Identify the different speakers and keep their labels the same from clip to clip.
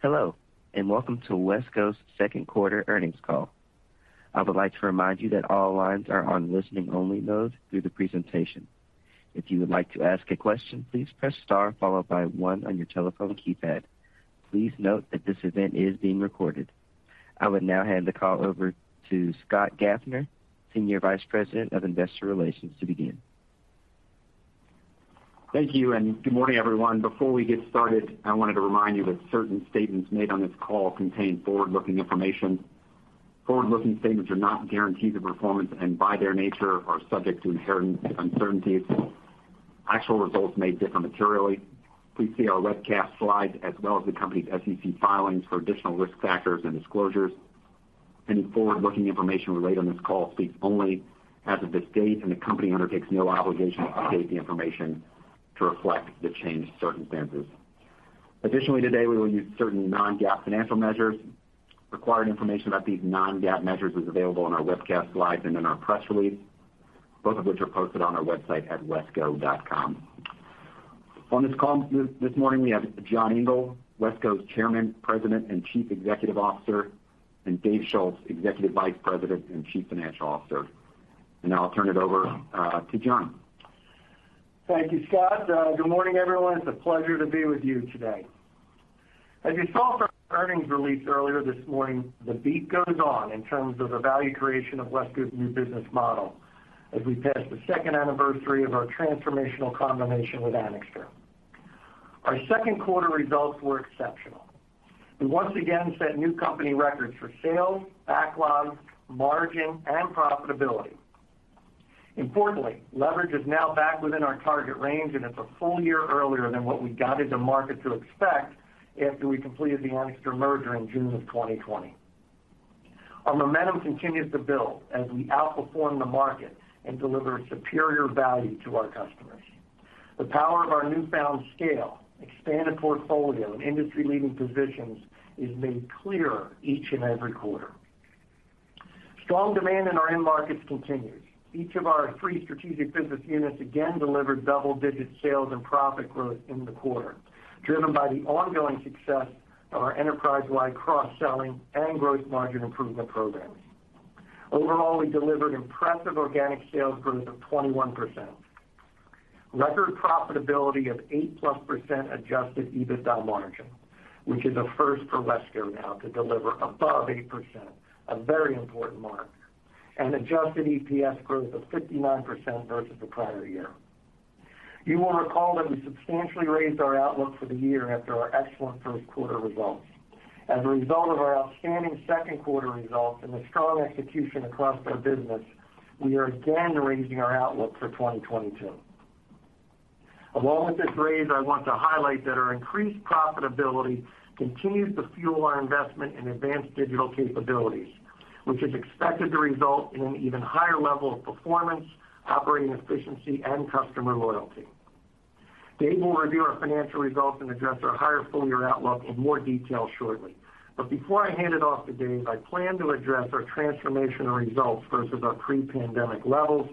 Speaker 1: Hello, and welcome to WESCO's second quarter earnings call. I would like to remind you that all lines are on listening-only mode through the presentation. If you would like to ask a question, please press star followed by one on your telephone keypad. Please note that this event is being recorded. I would now hand the call over to Scott Gaffner, Senior Vice President of Investor Relations, to begin.
Speaker 2: Thank you, and good morning, everyone. Before we get started, I wanted to remind you that certain statements made on this call contain forward-looking information. Forward-looking statements are not guarantees of performance and by their nature are subject to inherent uncertainties. Actual results may differ materially. Please see our webcast slides as well as the company's SEC filings for additional risk factors and disclosures. Any forward-looking information relayed on this call speaks only as of this date, and the company undertakes no obligation to update the information to reflect the changed circumstances. Additionally, today, we will use certain non-GAAP financial measures. Required information about these non-GAAP measures is available in our webcast slides and in our press release, both of which are posted on our website at wesco.com. On this call this morning, we have John Engel, WESCO's Chairman, President, and Chief Executive Officer, and Dave Schulz, Executive Vice President and Chief Financial Officer. Now I'll turn it over to John.
Speaker 3: Thank you, Scott. Good morning, everyone. It's a pleasure to be with you today. As you saw from our earnings release earlier this morning, the beat goes on in terms of the value creation of WESCO's new business model as we pass the second anniversary of our transformational combination with Anixter. Our second quarter results were exceptional. We once again set new company records for sales, backlog, margin, and profitability. Importantly, leverage is now back within our target range, and it's a full year earlier than what we guided the market to expect after we completed the Anixter merger in June of 2020. Our momentum continues to build as we outperform the market and deliver superior value to our customers. The power of our newfound scale, expanded portfolio, and industry-leading positions is made clear each and every quarter. Strong demand in our end markets continues. Each of our three strategic business units again delivered double-digit sales and profit growth in the quarter, driven by the ongoing success of our enterprise-wide cross-selling and gross margin improvement programs. Overall, we delivered impressive organic sales growth of 21%. Record profitability of 8%+ adjusted EBITDA margin, which is a first for WESCO now to deliver above 8%, a very important mark, and adjusted EPS growth of 59% versus the prior year. You will recall that we substantially raised our outlook for the year after our excellent first quarter results. As a result of our outstanding second quarter results and the strong execution across our business, we are again raising our outlook for 2022. Along with this raise, I want to highlight that our increased profitability continues to fuel our investment in advanced digital capabilities, which is expected to result in an even higher level of performance, operating efficiency, and customer loyalty. Dave will review our financial results and address our higher full-year outlook in more detail shortly. Before I hand it off to Dave, I plan to address our transformational results versus our pre-pandemic levels,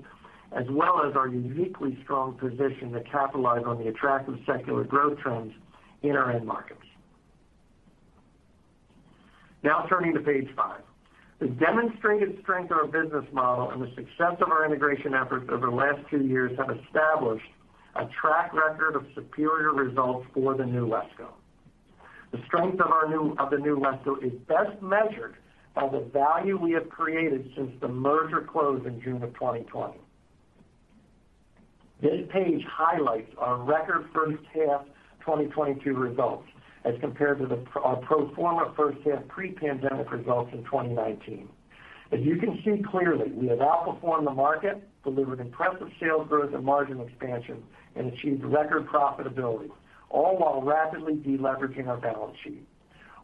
Speaker 3: as well as our uniquely strong position to capitalize on the attractive secular growth trends in our end markets. Now turning to page five. The demonstrated strength of our business model and the success of our integration efforts over the last two years have established a track record of superior results for the new WESCO. The strength of the new WESCO is best measured by the value we have created since the merger closed in June of 2020. This page highlights our record first half 2022 results as compared to our pro forma first half pre-pandemic results in 2019. As you can see clearly, we have outperformed the market, delivered impressive sales growth and margin expansion, and achieved record profitability, all while rapidly de-leveraging our balance sheet.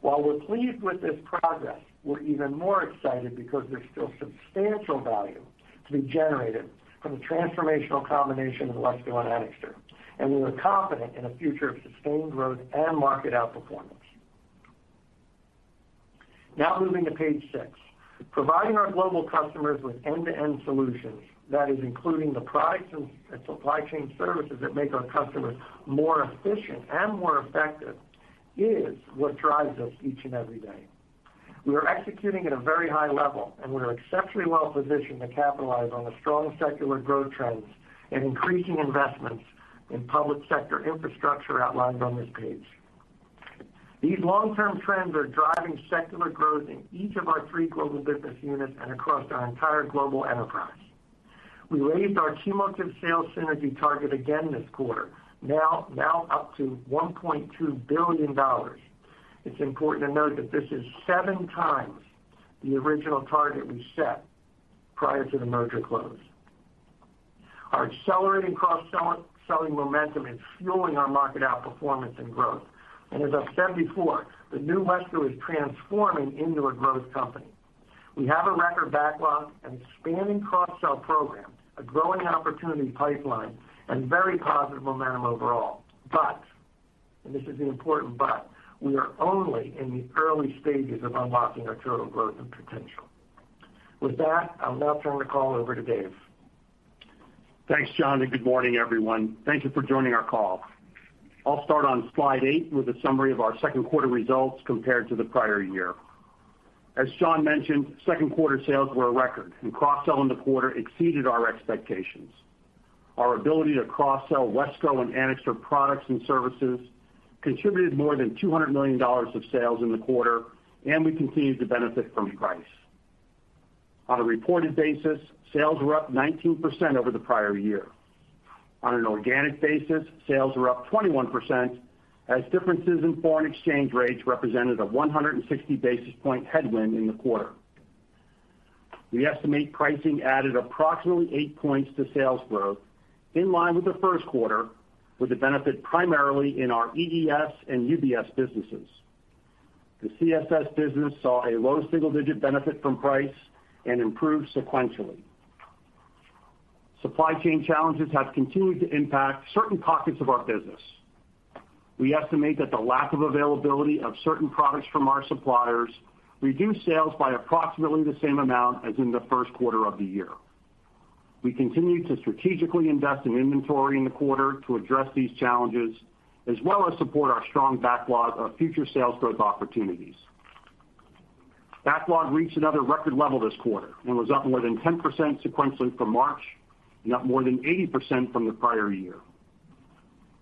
Speaker 3: While we're pleased with this progress, we're even more excited because there's still substantial value to be generated from the transformational combination of WESCO and Anixter, and we are confident in a future of sustained growth and market outperformance. Now moving to Page 6. Providing our global customers with end-to-end solutions, that is including the products and supply chain services that make our customers more efficient and more effective, is what drives us each and every day. We are executing at a very high level, and we are exceptionally well positioned to capitalize on the strong secular growth trends and increasing investments in public sector infrastructure outlined on this page. These long-term trends are driving secular growth in each of our three global business units and across our entire global enterprise. We raised our cumulative sales synergy target again this quarter, now up to $1.2 billion. It's important to note that this is 7x the original target we set prior to the merger close. Our accelerating cross-selling, selling momentum is fueling our market outperformance and growth. As I've said before, the new WESCO is transforming into a growth company. We have a record backlog, an expanding cross-sell program, a growing opportunity pipeline, and very positive momentum overall. And this is an important but, we are only in the early stages of unlocking our total growth and potential. With that, I'll now turn the call over to Dave.
Speaker 4: Thanks, John, and good morning, everyone. Thank you for joining our call. I'll start on Slide 8 with a summary of our second quarter results compared to the prior year. As John mentioned, second quarter sales were a record, and cross-sell in the quarter exceeded our expectations. Our ability to cross-sell WESCO and Anixter products and services contributed more than $200 million of sales in the quarter, and we continued to benefit from price. On a reported basis, sales were up 19% over the prior year. On an organic basis, sales were up 21% as differences in foreign exchange rates represented a 160 basis points headwind in the quarter. We estimate pricing added approximately 8 points to sales growth in line with the first quarter, with the benefit primarily in our EES and UBS businesses. The CSS business saw a low single-digit benefit from price and improved sequentially. Supply chain challenges have continued to impact certain pockets of our business. We estimate that the lack of availability of certain products from our suppliers reduced sales by approximately the same amount as in the first quarter of the year. We continued to strategically invest in inventory in the quarter to address these challenges, as well as support our strong backlog of future sales growth opportunities. Backlog reached another record level this quarter and was up more than 10% sequentially from March, and up more than 80% from the prior year.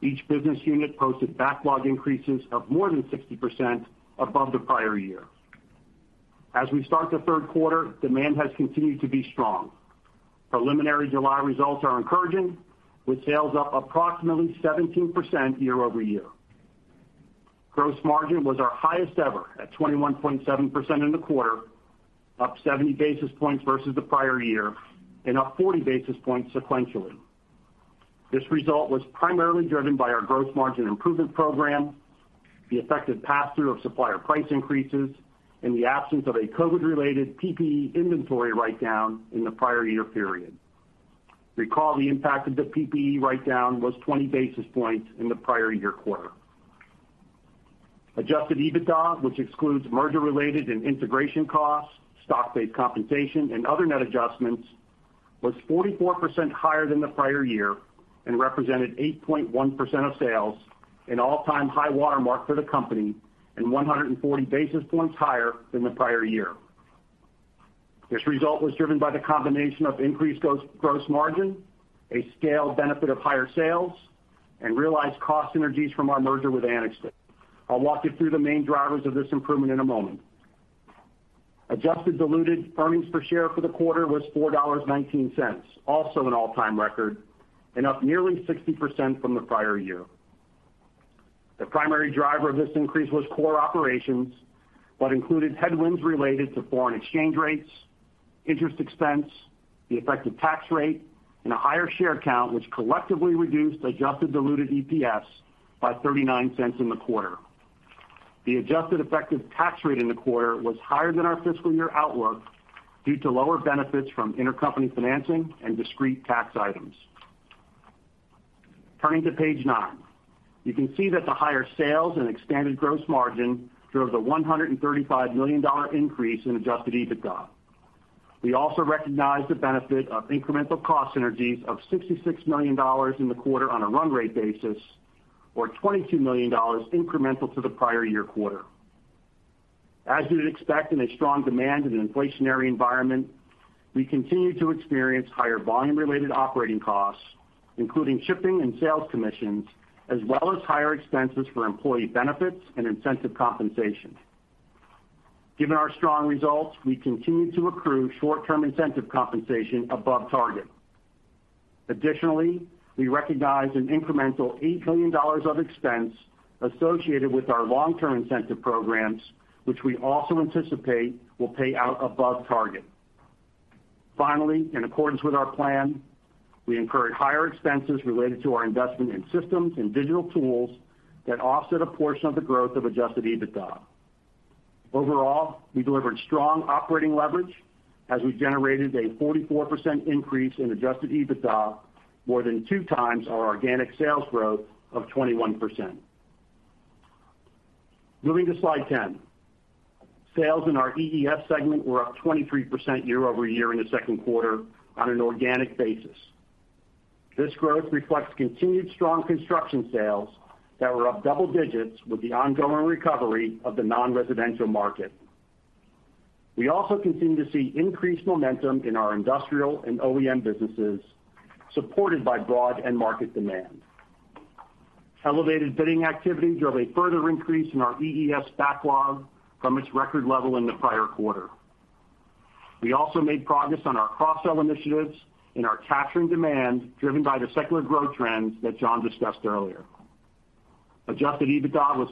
Speaker 4: Each business unit posted backlog increases of more than 60% above the prior year. As we start the third quarter, demand has continued to be strong. Preliminary July results are encouraging, with sales up approximately 17% year-over-year. Gross margin was our highest ever at 21.7% in the quarter, up 70 basis points versus the prior year and up 40 basis points sequentially. This result was primarily driven by our gross margin improvement program, the effective pass-through of supplier price increases, and the absence of a COVID-related PPE inventory write-down in the prior year period. Recall, the impact of the PPE write-down was 20 basis points in the prior year quarter. Adjusted EBITDA, which excludes merger-related and integration costs, stock-based compensation, and other net adjustments, was 44% higher than the prior year and represented 8.1% of sales, an all-time high watermark for the company and 140 basis points higher than the prior year. This result was driven by the combination of increased gross margin, a scaled benefit of higher sales, and realized cost synergies from our merger with Anixter. I'll walk you through the main drivers of this improvement in a moment. Adjusted diluted earnings per share for the quarter was $4.19, also an all-time record and up nearly 60% from the prior year. The primary driver of this increase was core operations, but included headwinds related to foreign exchange rates, interest expense, the effective tax rate, and a higher share count, which collectively reduced adjusted diluted EPS by $0.39 in the quarter. The adjusted effective tax rate in the quarter was higher than our fiscal year outlook due to lower benefits from intercompany financing and discrete tax items. Turning to Page 9. You can see that the higher sales and expanded gross margin drove the $135 million increase in adjusted EBITDA. We also recognized the benefit of incremental cost synergies of $66 million in the quarter on a run rate basis or $22 million incremental to the prior year quarter. As you'd expect in strong demand in an inflationary environment, we continue to experience higher volume-related operating costs, including shipping and sales commissions, as well as higher expenses for employee benefits and incentive compensation. Given our strong results, we continue to accrue short-term incentive compensation above target. Additionally, we recognize an incremental $8 million of expense associated with our long-term incentive programs, which we also anticipate will pay out above target. Finally, in accordance with our plan, we incurred higher expenses related to our investment in systems and digital tools that offset a portion of the growth of adjusted EBITDA. Overall, we delivered strong operating leverage as we generated a 44% increase in adjusted EBITDA, more than 2x our organic sales growth of 21%. Moving to Slide 10. Sales in our EES segment were up 23% year-over-year in the second quarter on an organic basis. This growth reflects continued strong construction sales that were up double digits with the ongoing recovery of the non-residential market. We also continue to see increased momentum in our industrial and OEM businesses, supported by broad end market demand. Elevated bidding activity drove a further increase in our EES backlog from its record level in the prior quarter. We also made progress on our cross-sell initiatives in our capturing demand, driven by the secular growth trends that John discussed earlier. Adjusted EBITDA was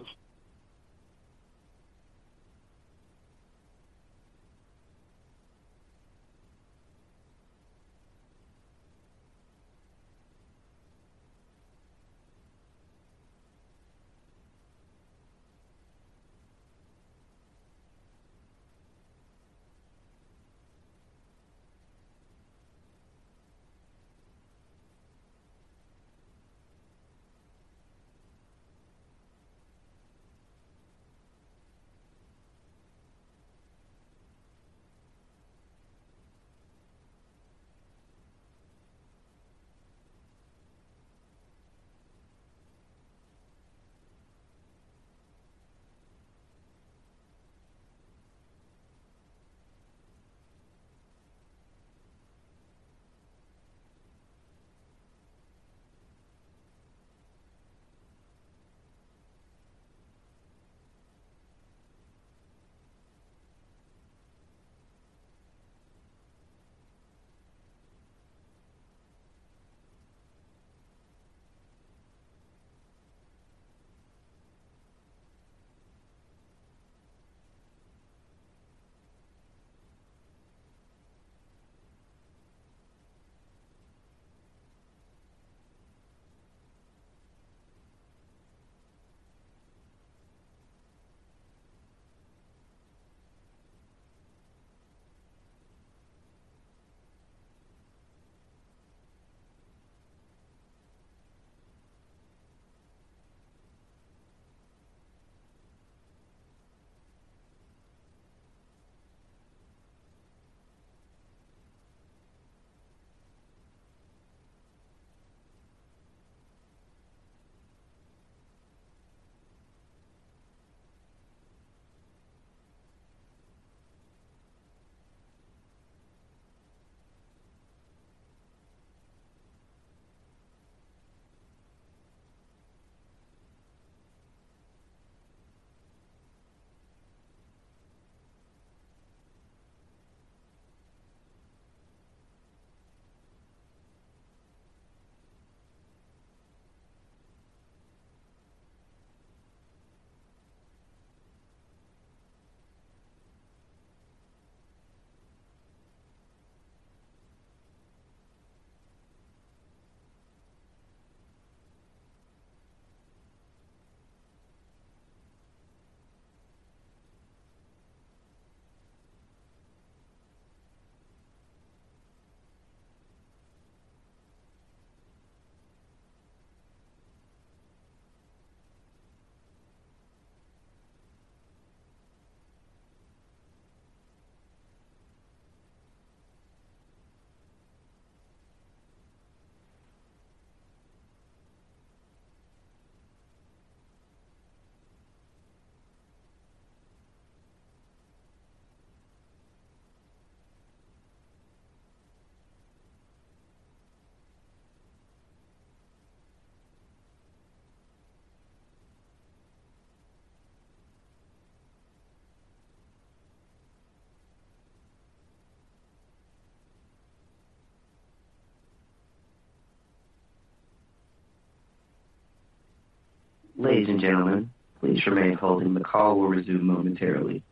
Speaker 1: Ladies and gentlemen, please remain holding. The call will resume momentarily.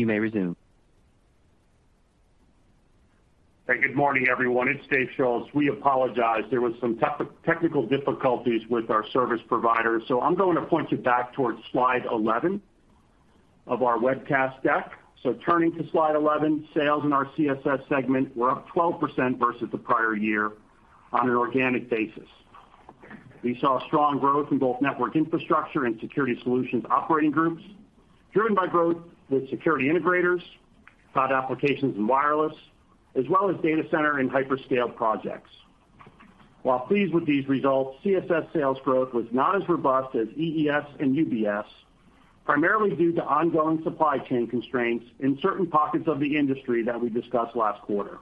Speaker 1: You may resume.
Speaker 4: Good morning, everyone. It's Dave Schulz. We apologize. There was some technical difficulties with our service provider. I'm going to point you back towards Slide 11 of our webcast deck. Turning to Slide 11, sales in our CSS segment were up 12% versus the prior year on an organic basis. We saw strong growth in both network infrastructure and security solutions operating groups, driven by growth with security integrators, cloud applications, and wireless, as well as data center and hyperscale projects. While pleased with these results, CSS sales growth was not as robust as EES and UBS, primarily due to ongoing supply chain constraints in certain pockets of the industry that we discussed last quarter.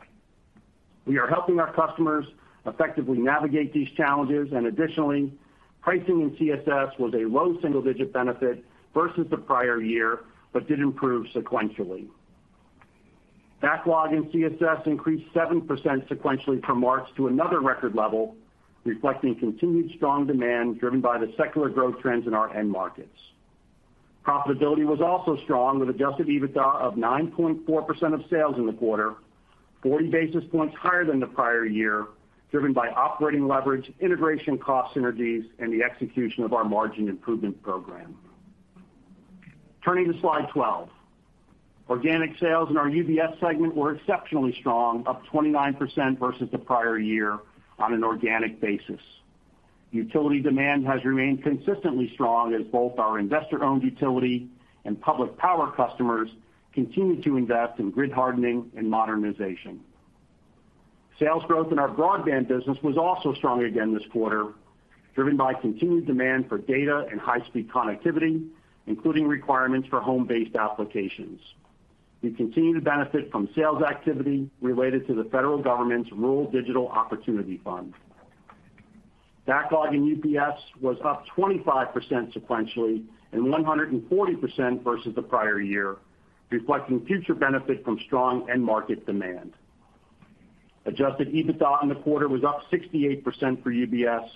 Speaker 4: We are helping our customers effectively navigate these challenges, and additionally, pricing in CSS was a low single-digit benefit versus the prior year, but did improve sequentially. Backlog in CSS increased 7% sequentially from March to another record level, reflecting continued strong demand driven by the secular growth trends in our end markets. Profitability was also strong, with adjusted EBITDA of 9.4% of sales in the quarter, 40 basis points higher than the prior year, driven by operating leverage, integration cost synergies, and the execution of our margin improvement program. Turning to Slide 12. Organic sales in our UBS segment were exceptionally strong, up 29% versus the prior year on an organic basis. Utility demand has remained consistently strong as both our investor-owned utility and public power customers continue to invest in grid hardening and modernization. Sales growth in our broadband business was also strong again this quarter, driven by continued demand for data and high-speed connectivity, including requirements for home-based applications. We continue to benefit from sales activity related to the federal government's Rural Digital Opportunity Fund. Backlog in UBS was up 25% sequentially and 140% versus the prior year, reflecting future benefit from strong end market demand. Adjusted EBITDA in the quarter was up 68% for UBS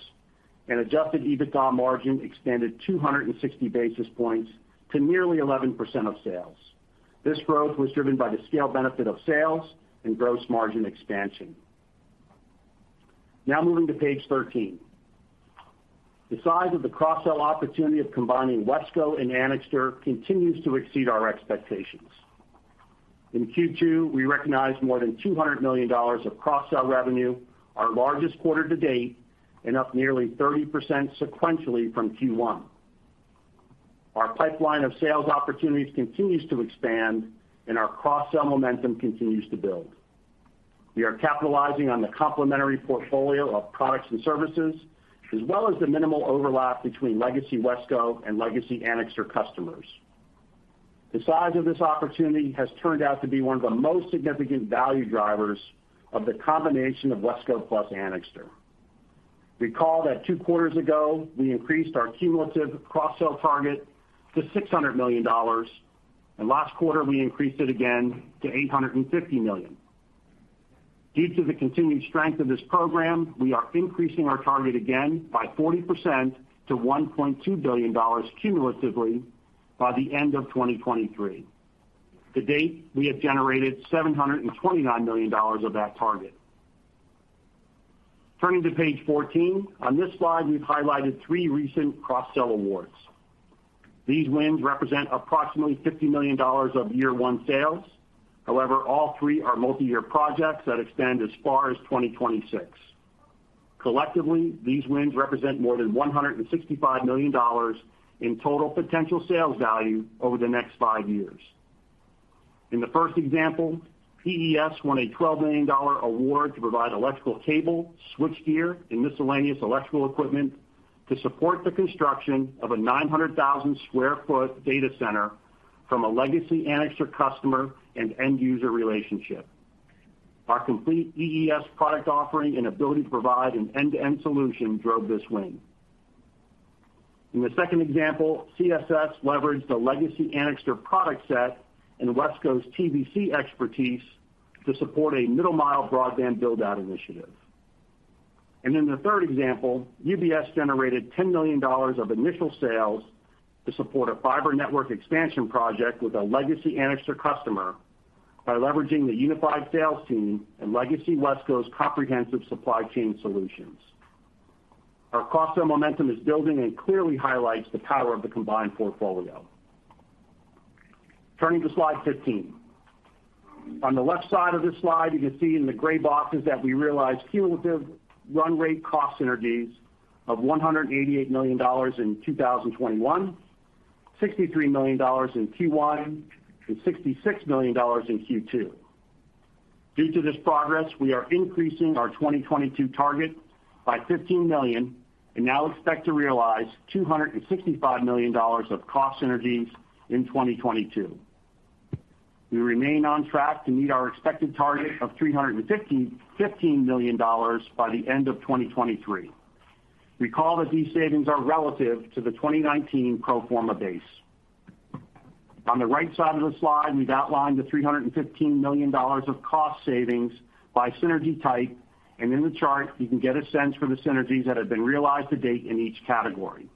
Speaker 4: and adjusted EBITDA margin expanded 260 basis points to nearly 11% of sales. This growth was driven by the scale benefit of sales and gross margin expansion. Now moving to Page 13. The size of the cross-sell opportunity of combining WESCO and Anixter continues to exceed our expectations. In Q2, we recognized more than $200 million of cross-sell revenue, our largest quarter to date, and up nearly 30% sequentially from Q1. Our pipeline of sales opportunities continues to expand and our cross-sell momentum continues to build. We are capitalizing on the complementary portfolio of products and services, as well as the minimal overlap between legacy WESCO and legacy Anixter customers. The size of this opportunity has turned out to be one of the most significant value drivers of the combination of WESCO plus Anixter. Recall that two quarters ago, we increased our cumulative cross-sell target to $600 million, and last quarter we increased it again to $850 million. Due to the continuing strength of this program, we are increasing our target again by 40% to $1.2 billion cumulatively by the end of 2023. To date, we have generated $729 million of that target. Turning to Page 14. On this slide, we've highlighted three recent cross-sell awards. These wins represent approximately $50 million of year-one sales. However, all three are multiyear projects that extend as far as 2026. Collectively, these wins represent more than $165 million in total potential sales value over the next five years. In the first example, EES won a $12 million award to provide electrical cable, switchgear, and miscellaneous electrical equipment to support the construction of a 900,000 sq ft data center from a legacy Anixter customer and end user relationship. Our complete EES product offering and ability to provide an end-to-end solution drove this win. In the second example, CSS leveraged a legacy Anixter product set and WESCO's TVC expertise to support a middle mile broadband build-out initiative. In the third example, UBS generated $10 million of initial sales to support a fiber network expansion project with a legacy Anixter customer by leveraging the unified sales team and legacy WESCO's comprehensive supply chain solutions. Our cross-sell momentum is building and clearly highlights the power of the combined portfolio. Turning to Slide 15. On the left side of this slide, you can see in the gray boxes that we realized cumulative run rate cost synergies of $188 million in 2021, $63 million in Q1, and $66 million in Q2. Due to this progress, we are increasing our 2022 target by $15 million and now expect to realize $265 million of cost synergies in 2022. We remain on track to meet our expected target of $315 million by the end of 2023. Recall that these savings are relative to the 2019 pro forma base. On the right side of the slide, we've outlined the $315 million of cost savings by synergy type. In the chart, you can get a sense for the synergies that have been realized to date in each category.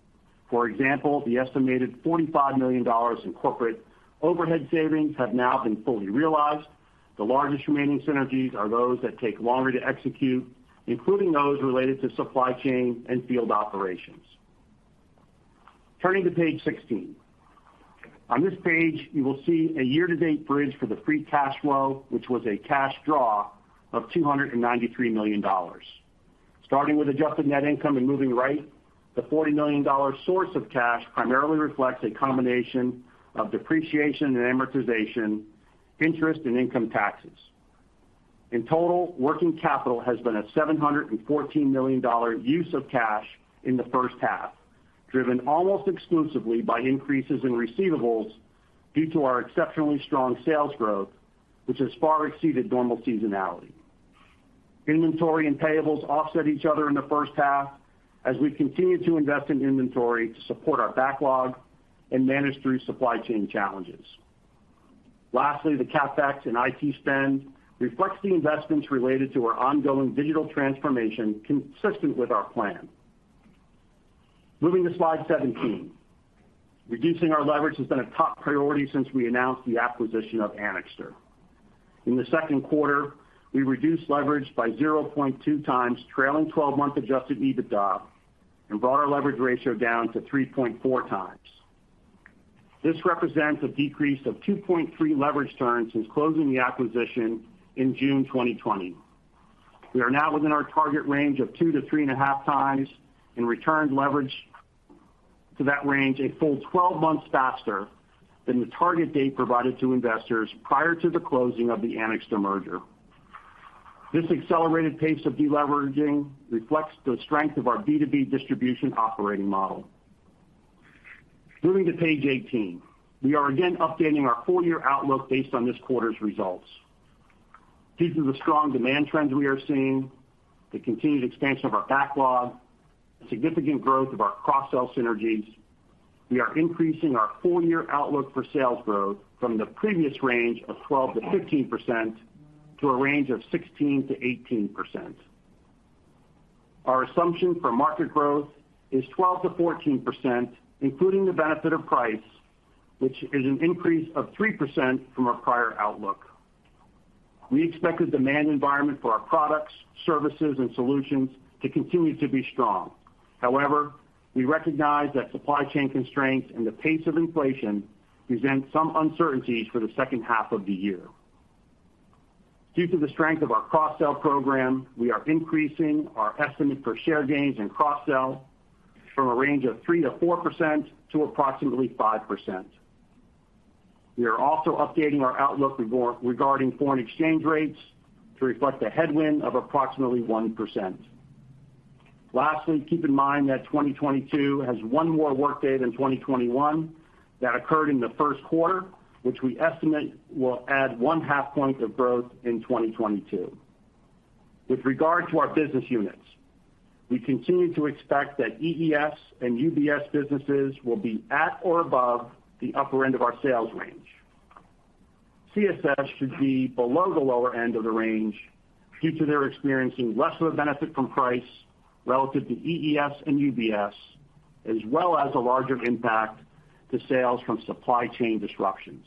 Speaker 4: For example, the estimated $45 million in corporate overhead savings have now been fully realized. The largest remaining synergies are those that take longer to execute, including those related to supply chain and field operations. Turning to Page 16. On this page, you will see a year-to-date bridge for the free cash flow, which was a cash draw of $293 million. Starting with adjusted net income and moving right, the $40 million source of cash primarily reflects a combination of depreciation and amortization, interest and income taxes. In total, working capital has been a $714 million use of cash in the first half, driven almost exclusively by increases in receivables due to our exceptionally strong sales growth, which has far exceeded normal seasonality. Inventory and payables offset each other in the first half as we continue to invest in inventory to support our backlog and manage through supply chain challenges. Lastly, the CapEx and IT spend reflects the investments related to our ongoing digital transformation consistent with our plan. Moving to Slide 17. Reducing our leverage has been a top priority since we announced the acquisition of Anixter. In the second quarter, we reduced leverage by 0.2x trailing 12-month adjusted EBITDA and brought our leverage ratio down to 3.4x. This represents a decrease of 2.3x leverage turns since closing the acquisition in June 2020. We are now within our target range of 2x to 3.5x and returned leverage to that range a full 12 months faster than the target date provided to investors prior to the closing of the Anixter merger. This accelerated pace of deleveraging reflects the strength of our B2B distribution operating model. Moving to Page 18, we are again updating our full-year outlook based on this quarter's results. Due to the strong demand trends we are seeing, the continued expansion of our backlog, significant growth of our cross-sell synergies, we are increasing our full-year outlook for sales growth from the previous range of 12%-15% to a range of 16%-18%. Our assumption for market growth is 12%-14%, including the benefit of price, which is an increase of 3% from our prior outlook. We expect the demand environment for our products, services, and solutions to continue to be strong. However, we recognize that supply chain constraints and the pace of inflation present some uncertainties for the second half of the year. Due to the strength of our cross-sell program, we are increasing our estimate for share gains in cross-sell from a range of 3%-4% to approximately 5%. We are also updating our outlook regarding foreign exchange rates to reflect a headwind of approximately 1%. Lastly, keep in mind that 2022 has one more workday than 2021 that occurred in the first quarter, which we estimate will add one half point of growth in 2022. With regard to our business units, we continue to expect that EES and UBS businesses will be at or above the upper end of our sales range. CSS should be below the lower end of the range due to their experiencing less of a benefit from price relative to EES and UBS, as well as a larger impact to sales from supply chain disruptions.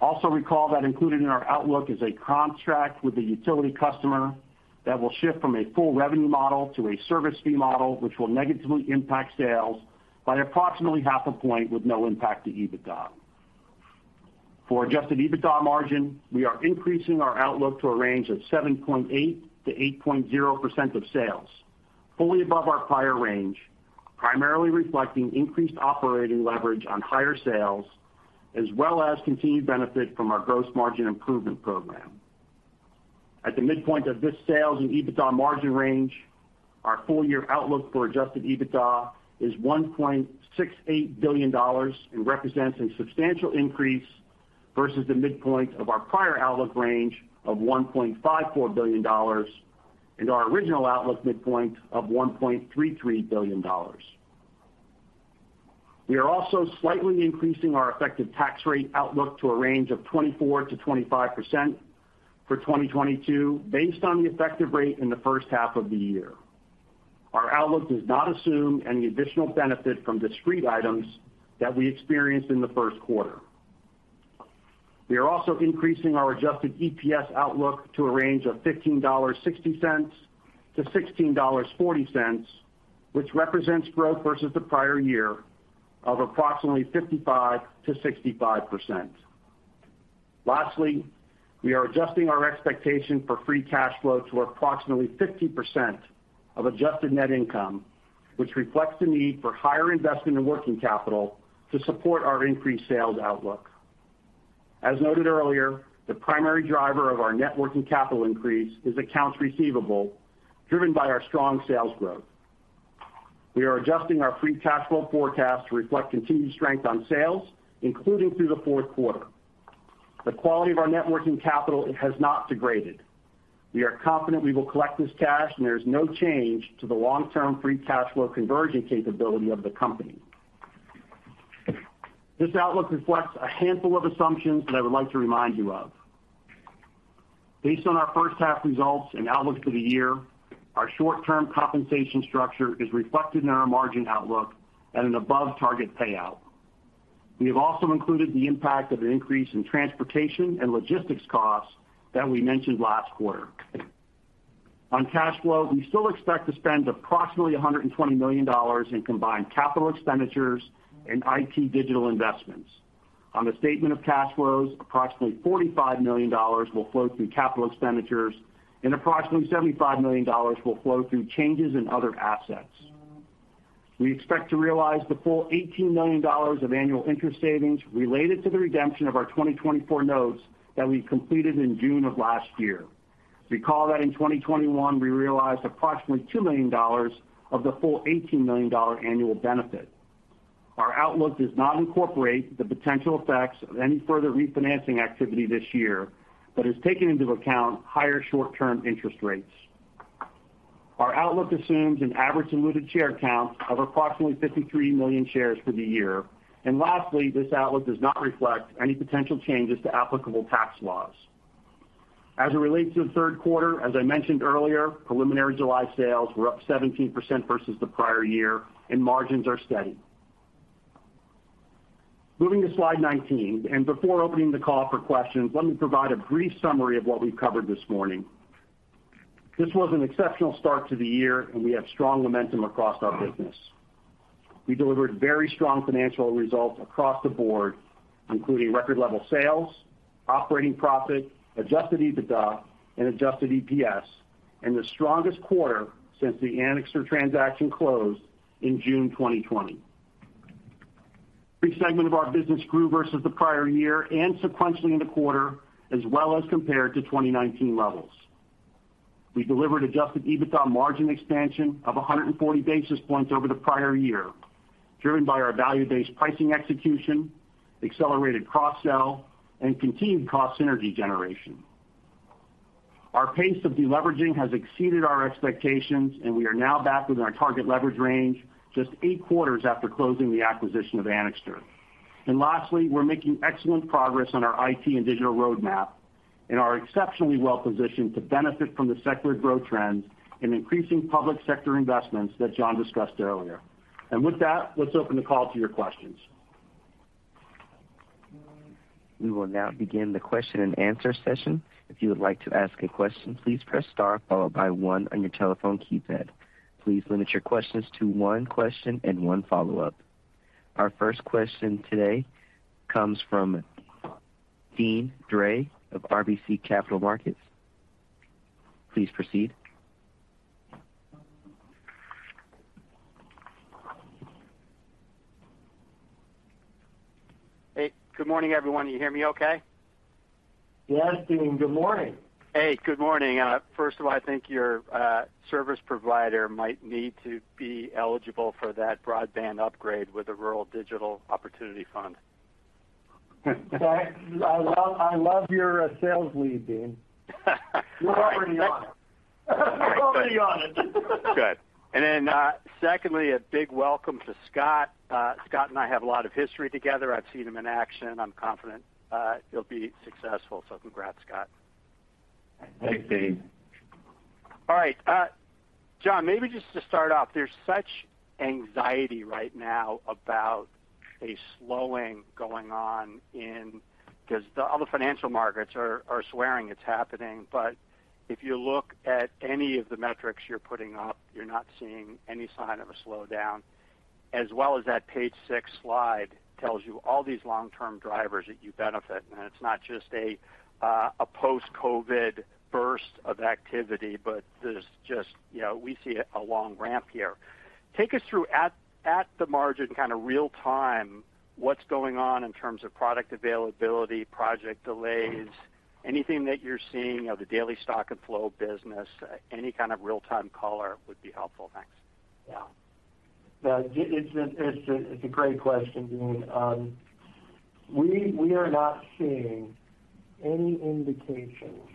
Speaker 4: Also recall that included in our outlook is a contract with a utility customer that will shift from a full revenue model to a service fee model, which will negatively impact sales by approximately half a point with no impact to EBITDA. For adjusted EBITDA margin, we are increasing our outlook to a range of 7.8%-8.0% of sales, fully above our prior range, primarily reflecting increased operating leverage on higher sales, as well as continued benefit from our gross margin improvement program. At the midpoint of this sales and EBITDA margin range, our full-year outlook for adjusted EBITDA is $1.68 billion and represents a substantial increase versus the midpoint of our prior outlook range of $1.54 billion and our original outlook midpoint of $1.33 billion. We are also slightly increasing our effective tax rate outlook to a range of 24%-25% for 2022 based on the effective rate in the first half of the year. Our outlook does not assume any additional benefit from discrete items that we experienced in the first quarter. We are also increasing our adjusted EPS outlook to a range of $15.60-$16.40, which represents growth versus the prior year of approximately 55%-65%. Lastly, we are adjusting our expectation for free cash flow to approximately 50% of adjusted net income, which reflects the need for higher investment in working capital to support our increased sales outlook. As noted earlier, the primary driver of our net working capital increase is accounts receivable driven by our strong sales growth. We are adjusting our free cash flow forecast to reflect continued strength on sales, including through the fourth quarter. The quality of our net working capital has not degraded. We are confident we will collect this cash, and there is no change to the long-term free cash flow conversion capability of the company. This outlook reflects a handful of assumptions that I would like to remind you of. Based on our first half results and outlook for the year, our short-term compensation structure is reflected in our margin outlook at an above-target payout. We have also included the impact of an increase in transportation and logistics costs that we mentioned last quarter. On cash flow, we still expect to spend approximately $120 million in combined capital expenditures and IT digital investments. On the statement of cash flows, approximately $45 million will flow through capital expenditures, and approximately $75 million will flow through changes in other assets. We expect to realize the full $18 million of annual interest savings related to the redemption of our 2024 notes that we completed in June of last year. Recall that in 2021, we realized approximately $2 million of the full $18 million annual benefit. Our outlook does not incorporate the potential effects of any further refinancing activity this year, but has taken into account higher short-term interest rates. Our outlook assumes an average diluted share count of approximately 53 million shares for the year. Lastly, this outlook does not reflect any potential changes to applicable tax laws. As it relates to the third quarter, as I mentioned earlier, preliminary July sales were up 17% versus the prior year, and margins are steady. Moving to Slide 19, and before opening the call for questions, let me provide a brief summary of what we've covered this morning. This was an exceptional start to the year, and we have strong momentum across our business. We delivered very strong financial results across the board, including record level sales, operating profit, adjusted EBITDA, and adjusted EPS, and the strongest quarter since the Anixter transaction closed in June 2020. Every segment of our business grew versus the prior year and sequentially in the quarter as well as compared to 2019 levels. We delivered adjusted EBITDA margin expansion of 140 basis points over the prior year, driven by our value-based pricing execution, accelerated cross-sell, and continued cost synergy generation. Our pace of deleveraging has exceeded our expectations, and we are now back within our target leverage range just eight quarters after closing the acquisition of Anixter. Lastly, we're making excellent progress on our IT and digital roadmap and are exceptionally well positioned to benefit from the secular growth trends and increasing public sector investments that John discussed earlier. With that, let's open the call to your questions.
Speaker 1: We will now begin the question-and-answer session. If you would like to ask a question, please press star followed by one on your telephone keypad. Please limit your questions to one question and one follow-up. Our first question today comes from Deane Dray of RBC Capital Markets. Please proceed.
Speaker 5: Hey, good morning, everyone. You hear me okay?
Speaker 3: Yes, Deane. Good morning.
Speaker 5: Hey, good morning. First of all, I think your service provider might need to be eligible for that broadband upgrade with the Rural Digital Opportunity Fund.
Speaker 3: I love your sales lead, Deane. We're already on it.
Speaker 5: Good. Secondly, a big welcome to Scott. Scott and I have a lot of history together. I've seen him in action. I'm confident he'll be successful. Congrats, Scott.
Speaker 2: Thanks, Deane.
Speaker 5: All right. John, maybe just to start off, there's such anxiety right now about a slowdown going on, 'cause all the financial markets are saying it's happening. If you look at any of the metrics you're putting up, you're not seeing any sign of a slowdown, as well as that Page 6 slide tells you all these long-term drivers that you benefit. It's not just a post-COVID burst of activity, but there's just you know, we see a long ramp here. Take us through at the margin, kind of real-time, what's going on in terms of product availability, project delays, anything that you're seeing of the daily stock and flow of business, any kind of real-time color would be helpful. Thanks.
Speaker 3: Yeah. It's a great question, Deane. We are not seeing any indications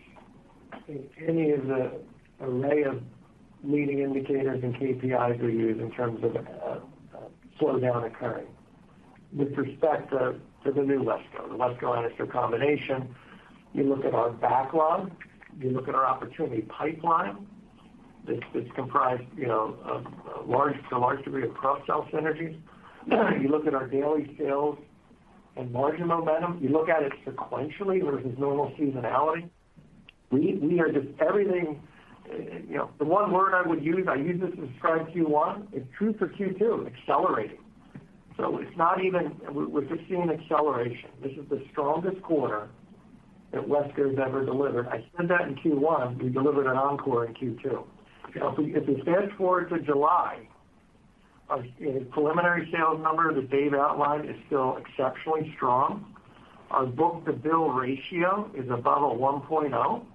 Speaker 3: in any of the array of leading indicators and KPIs we use in terms of a slowdown occurring. With respect to the new WESCO, the WESCO-Anixter combination, you look at our backlog, you look at our opportunity pipeline that's comprised, you know, of a large, to a large degree of cross-sell synergies. You look at our daily sales and margin momentum. You look at it sequentially versus normal seasonality. We are just everything, you know, the one word I would use. I used this to describe Q1, it's true for Q2, accelerating. It's not even. We're just seeing acceleration. This is the strongest quarter that WESCO has ever delivered. I said that in Q1. We delivered an encore in Q2. You know, if we fast-forward to July, you know, preliminary sales number that Dave outlined is still exceptionally strong. Our book-to-bill ratio is above 1.0.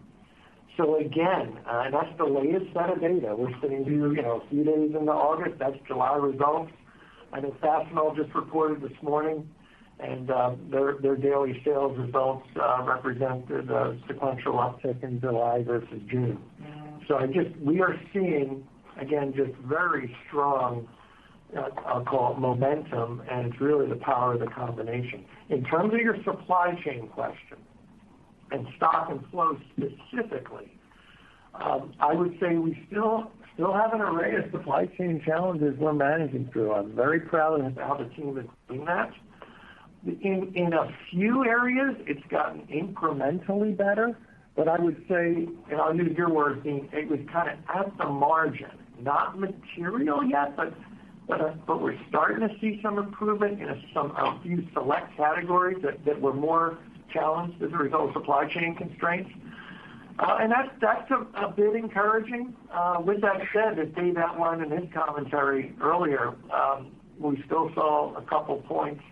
Speaker 3: Again, that's the latest set of data. We're sitting here, you know, a few days into August. That's July results. I know Fastenal just reported this morning, and their daily sales results represent the sequential uptick in July versus June. We are seeing, again, just very strong, I'll call it momentum, and it's really the power of the combination. In terms of your supply chain question and stock and flow specifically, I would say we still have an array of supply chain challenges we're managing through. I'm very proud of how the team has done that. In a few areas, it's gotten incrementally better. I would say, and I'll use your words, Deane, it was kind of at the margin, not material yet, but we're starting to see some improvement in a few select categories that were more challenged as a result of supply chain constraints. That's a bit encouraging. With that said, as Dave outlined in his commentary earlier, we still saw a couple points,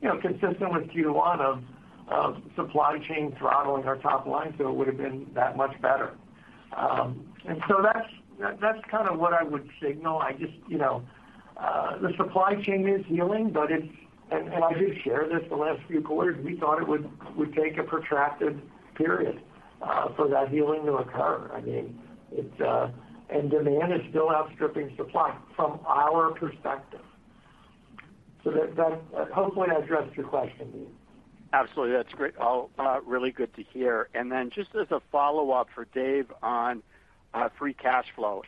Speaker 3: you know, consistent with Q1 of supply chain throttling our top line, so it would've been that much better. That's kind of what I would signal. I just, you know, the supply chain is healing, but it's, and I did share this the last few quarters. We thought it would take a protracted period for that healing to occur. Demand is still outstripping supply from our perspective. Hopefully, I addressed your question, Deane.
Speaker 5: Absolutely. That's great. All, really good to hear. Then just as a follow-up for Dave on free cash flow.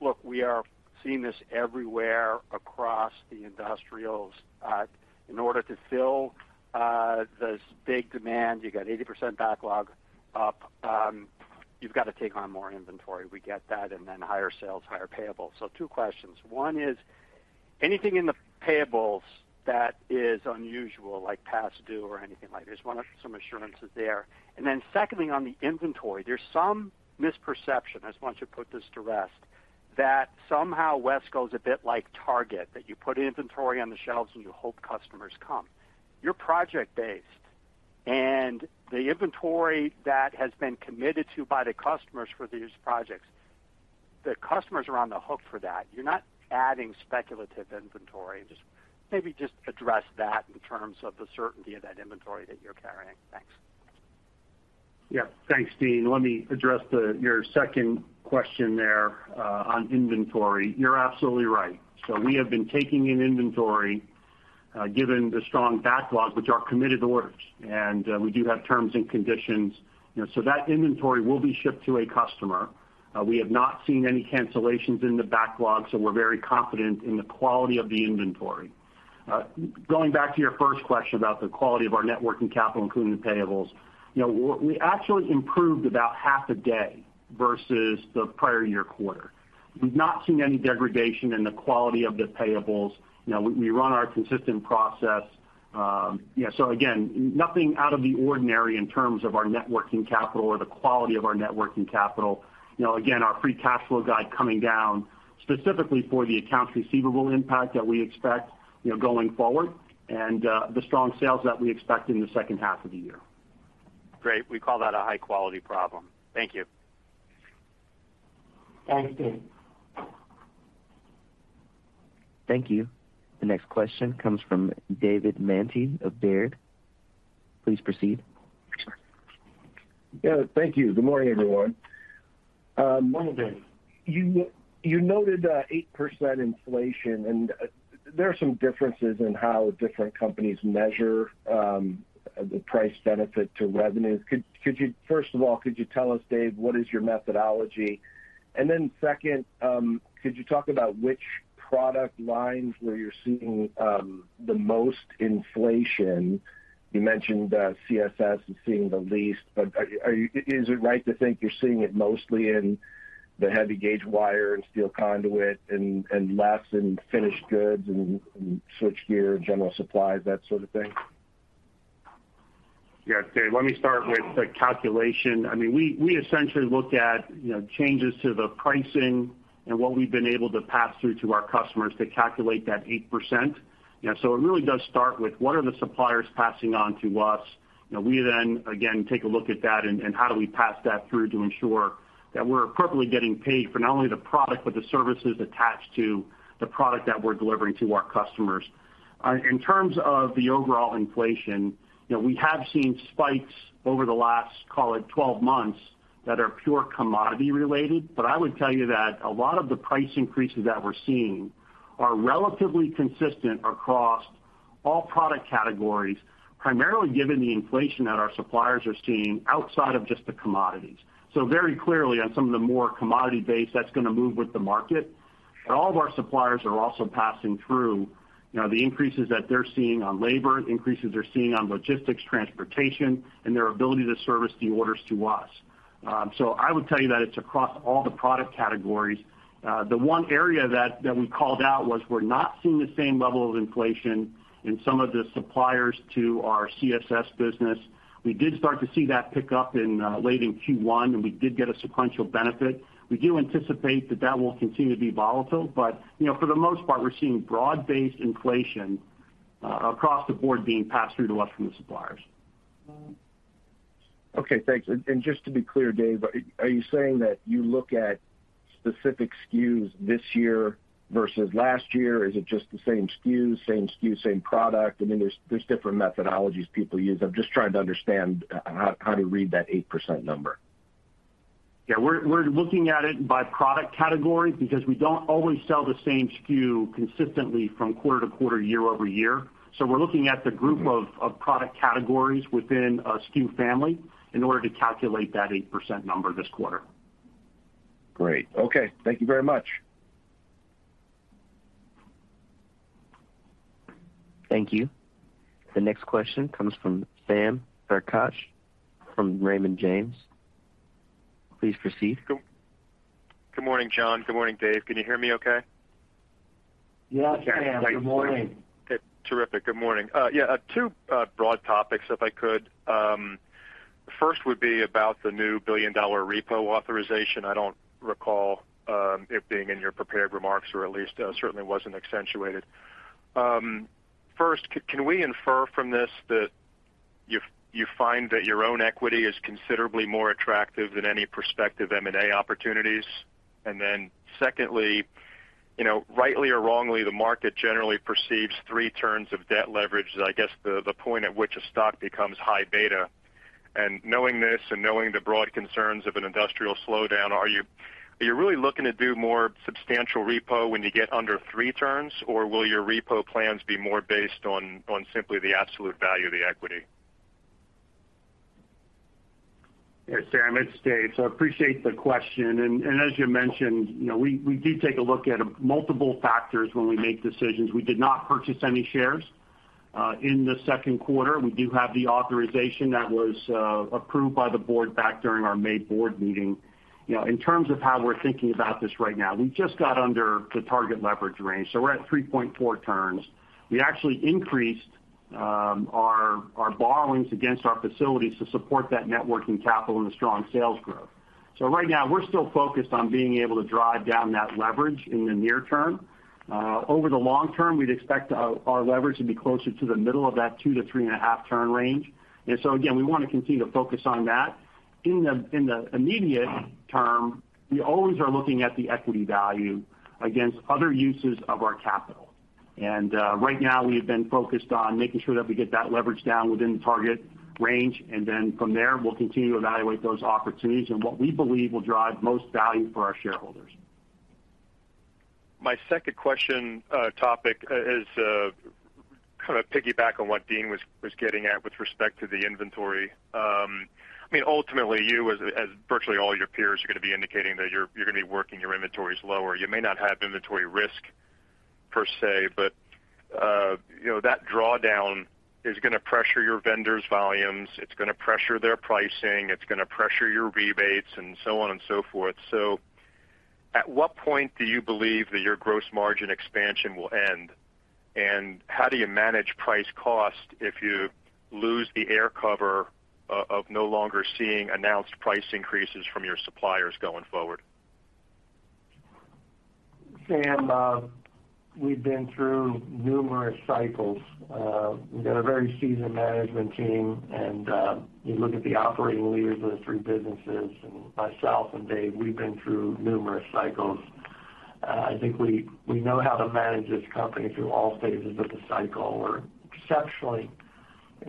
Speaker 5: Look, we are seeing this everywhere across the industrials. In order to fill this big demand, you got 80% backlog up, you've got to take on more inventory. We get that, and then higher sales, higher payables. Two questions. One is, anything in the payables that is unusual, like past due or anything like this? Want some assurances there. Then secondly, on the inventory, there's some misperception. I just want you to put this to rest. That somehow WESCO is a bit like Target, that you put inventory on the shelves, and you hope customers come. You're project-based, and the inventory that has been committed to by the customers for these projects, the customers are on the hook for that. You're not adding speculative inventory. Just maybe just address that in terms of the certainty of that inventory that you're carrying. Thanks.
Speaker 4: Yeah. Thanks, Deane. Let me address your second question there on inventory. You're absolutely right. We have been taking in inventory, given the strong backlog, which are committed orders, and we do have terms and conditions. You know, so that inventory will be shipped to a customer. We have not seen any cancellations in the backlog, so we're very confident in the quality of the inventory. Going back to your first question about the quality of our working capital, including payables. You know, we actually improved about half a day versus the prior year quarter. We've not seen any degradation in the quality of the payables. You know, we run our consistent process. You know, so again, nothing out of the ordinary in terms of our working capital or the quality of our working capital. You know, again, our free cash flow guide coming down specifically for the accounts receivable impact that we expect, you know, going forward, and the strong sales that we expect in the second half of the year.
Speaker 5: Great. We call that a high-quality problem. Thank you.
Speaker 3: Thanks, Deane.
Speaker 1: Thank you. The next question comes from David Manthey of Baird. Please proceed.
Speaker 6: Yeah. Thank you. Good morning, everyone.
Speaker 4: Morning, Dave.
Speaker 6: You noted 8% inflation, and there are some differences in how different companies measure the price benefit to revenues. First of all, could you tell us, Dave, what is your methodology? Then second, could you talk about which product lines where you're seeing the most inflation? You mentioned CSS is seeing the least, but is it right to think you're seeing it mostly in the heavy gauge wire and steel conduit and less in finished goods and switch gear, general supplies, that sort of thing?
Speaker 4: Yeah, Dave, let me start with the calculation. I mean, we essentially look at, you know, changes to the pricing and what we've been able to pass through to our customers to calculate that 8%. You know, so it really does start with what are the suppliers passing on to us. You know, we then again take a look at that and how do we pass that through to ensure that we're appropriately getting paid for not only the product, but the services attached to the product that we're delivering to our customers. In terms of the overall inflation, you know, we have seen spikes over the last, call it, 12 months that are pure commodity-related. I would tell you that a lot of the price increases that we're seeing are relatively consistent across all product categories, primarily given the inflation that our suppliers are seeing outside of just the commodities. So very clearly on some of the more commodity-based that's gonna move with the market. All of our suppliers are also passing through, you know, the increases that they're seeing on labor, increases they're seeing on logistics, transportation, and their ability to service the orders to us. I would tell you that it's across all the product categories. The one area that we called out was we're not seeing the same level of inflation in some of the suppliers to our CSS business. We did start to see that pick up in late Q1, and we did get a sequential benefit. We do anticipate that will continue to be volatile, but you know, for the most part, we're seeing broad-based inflation across the board being passed through to us from the suppliers.
Speaker 6: Okay. Thanks. Just to be clear, Dave, are you saying that you look at specific SKUs this year versus last year? Is it just the same SKU, same product? I mean, there's different methodologies people use. I'm just trying to understand how to read that 8% number.
Speaker 4: Yeah. We're looking at it by product category because we don't always sell the same SKU consistently from quarter-to-quarter, year-over-year. We're looking at the group of product categories within a SKU family in order to calculate that 8% number this quarter.
Speaker 6: Great. Okay. Thank you very much.
Speaker 1: Thank you. The next question comes from Sam Darkatsh from Raymond James. Please proceed.
Speaker 7: Good morning, John. Good morning, Dave. Can you hear me okay?
Speaker 3: Yes, Sam. Good morning.
Speaker 7: Terrific. Good morning. Yeah, two broad topics, if I could. First would be about the new $1 billion repo authorization. I don't recall it being in your prepared remarks or at least certainly wasn't accentuated. First, can we infer from this that you find that your own equity is considerably more attractive than any prospective M&A opportunities? And then secondly, you know, rightly or wrongly, the market generally perceives three turns of debt leverage as, I guess, the point at which a stock becomes high beta. And knowing this and knowing the broad concerns of an industrial slowdown, are you really looking to do more substantial repo when you get under three turns, or will your repo plans be more based on simply the absolute value of the equity?
Speaker 4: Yeah, Sam, it's Dave. I appreciate the question. As you mentioned, you know, we do take a look at multiple factors when we make decisions. We did not purchase any shares in the second quarter. We do have the authorization that was approved by the Board back during our May Board meeting. You know, in terms of how we're thinking about this right now, we just got under the target leverage range. We're at 3.4x turns. We actually increased Our borrowings against our facilities to support that working capital and the strong sales growth. Right now, we're still focused on being able to drive down that leverage in the near term. Over the long term, we'd expect our leverage to be closer to the middle of that 2x-3.5x turn range. Again, we wanna continue to focus on that. In the immediate term, we always are looking at the equity value against other uses of our capital. Right now, we have been focused on making sure that we get that leverage down within the target range, and then from there, we'll continue to evaluate those opportunities and what we believe will drive most value for our shareholders.
Speaker 7: My second question, topic is kind of piggyback on what Deane was getting at with respect to the inventory. I mean, ultimately, you, as virtually all your peers are gonna be indicating that you're gonna be working your inventories lower. You may not have inventory risk per se, but you know, that drawdown is gonna pressure your vendors' volumes, it's gonna pressure their pricing, it's gonna pressure your rebates, and so on and so forth. At what point do you believe that your gross margin expansion will end? And how do you manage price cost if you lose the air cover of no longer seeing announced price increases from your suppliers going forward?
Speaker 3: Sam, we've been through numerous cycles. We've got a very seasoned management team and, you look at the operating leaders of the three businesses and myself and Dave, we've been through numerous cycles. I think we know how to manage this company through all stages of the cycle. We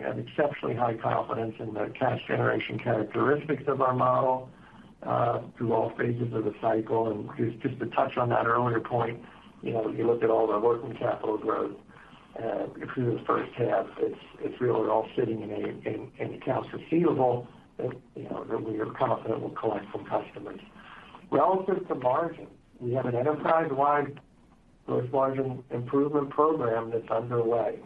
Speaker 3: have exceptionally high confidence in the cash generation characteristics of our model, through all phases of the cycle. Just to touch on that earlier point, you know, you look at all the working capital growth, through the first half, it's really all sitting in accounts receivable that, you know, that we are confident we'll collect from customers. Relative to margin, we have an enterprise-wide gross margin improvement program that's underway.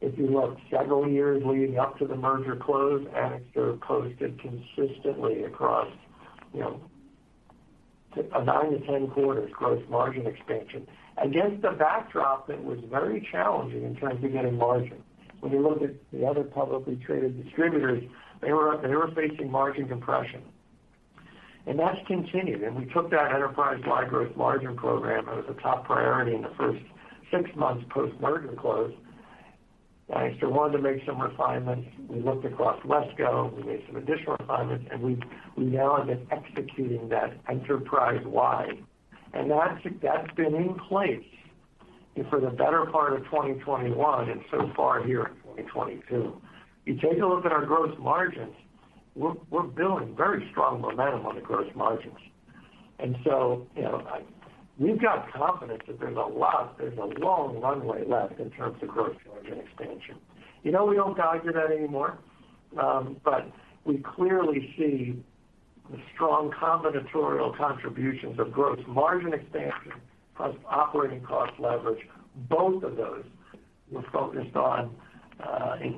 Speaker 3: If you look several years leading up to the merger close, Anixter posted consistently across, you know, nine to 10 quarters gross margin expansion against a backdrop that was very challenging in terms of getting margin. When you look at the other publicly traded distributors, they were facing margin compression. That's continued, and we took that enterprise-wide gross margin program as a top priority in the first six months post-merger close. Anixter wanted to make some refinements. We looked across WESCO. We made some additional refinements, and we now have been executing that enterprise-wide. That's been in place for the better part of 2021 and so far here in 2022. You take a look at our gross margins, we're building very strong momentum on the gross margins. You know, we've got confidence that there's a lot, there's a long runway left in terms of gross margin expansion. You know, we don't guide to that anymore, but we clearly see the strong combinatorial contributions of gross margin expansion plus operating cost leverage. Both of those we're focused on,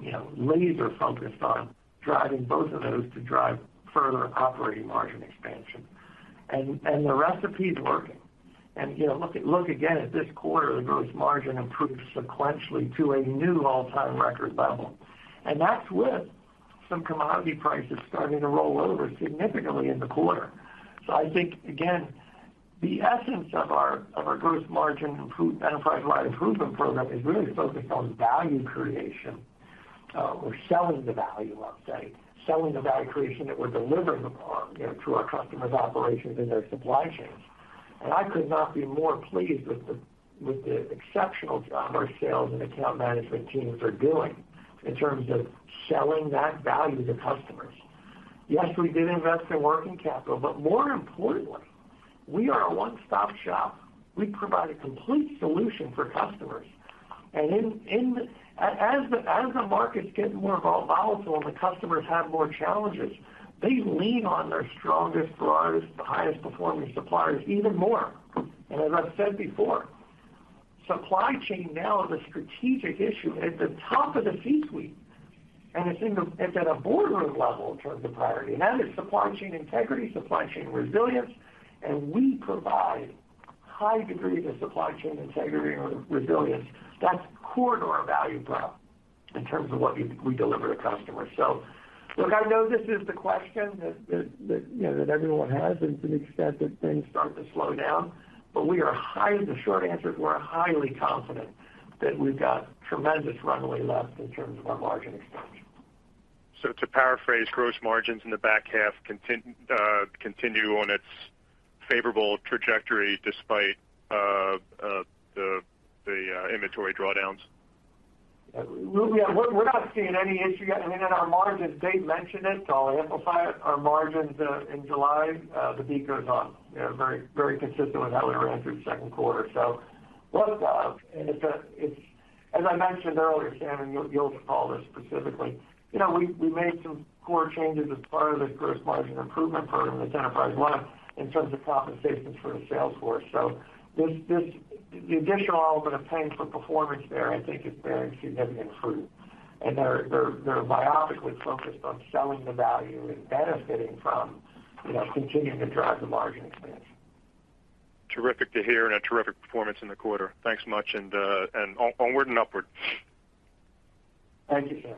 Speaker 3: you know, laser focused on driving both of those to drive further operating margin expansion. The recipe is working. You know, look again at this quarter, the gross margin improved sequentially to a new all-time record level. That's with some commodity prices starting to roll over significantly in the quarter. I think, again, the essence of our gross margin enterprise-wide improvement program is really focused on value creation or selling the value, I'll say, selling the value creation that we're delivering upon, you know, to our customers' operations and their supply chains. I could not be more pleased with the exceptional job our sales and account management teams are doing in terms of selling that value to customers. Yes, we did invest in working capital, but more importantly, we are a one-stop shop. We provide a complete solution for customers. As the markets get more volatile and the customers have more challenges, they lean on their strongest suppliers, the highest performing suppliers even more. As I've said before, supply chain now is a strategic issue at the top of the C-suite, and it's in the, it's at a boardroom level in terms of priority. That is supply chain integrity, supply chain resilience, and we provide high degree of supply chain integrity or resilience. That's core to our value prop in terms of what we deliver to customers. Look, I know this is the question that you know that everyone has and to the extent that things start to slow down, but the short answer is we're highly confident that we've got tremendous runway left in terms of our margin expansion.
Speaker 7: To paraphrase, gross margins in the back half continue on its favorable trajectory despite the inventory drawdowns?
Speaker 3: Yeah. We're not seeing any issue. I mean, in our margins, Dave mentioned it, so I'll amplify it. Our margins in July, the beat goes on, you know, very, very consistent with how we ran through the second quarter. Look, it's as I mentioned earlier, Sam, and you'll recall this specifically, you know, we made some core changes as part of this gross margin improvement program enterprise-wide in terms of compensation for the sales force. This the additional element of paying for performance there I think is bearing significant fruit. They're myopically focused on selling the value and benefiting from, you know, continuing to drive the margin expansion.
Speaker 7: Terrific to hear and a terrific performance in the quarter. Thanks much, and onward and upward.
Speaker 3: Thank you, Sam.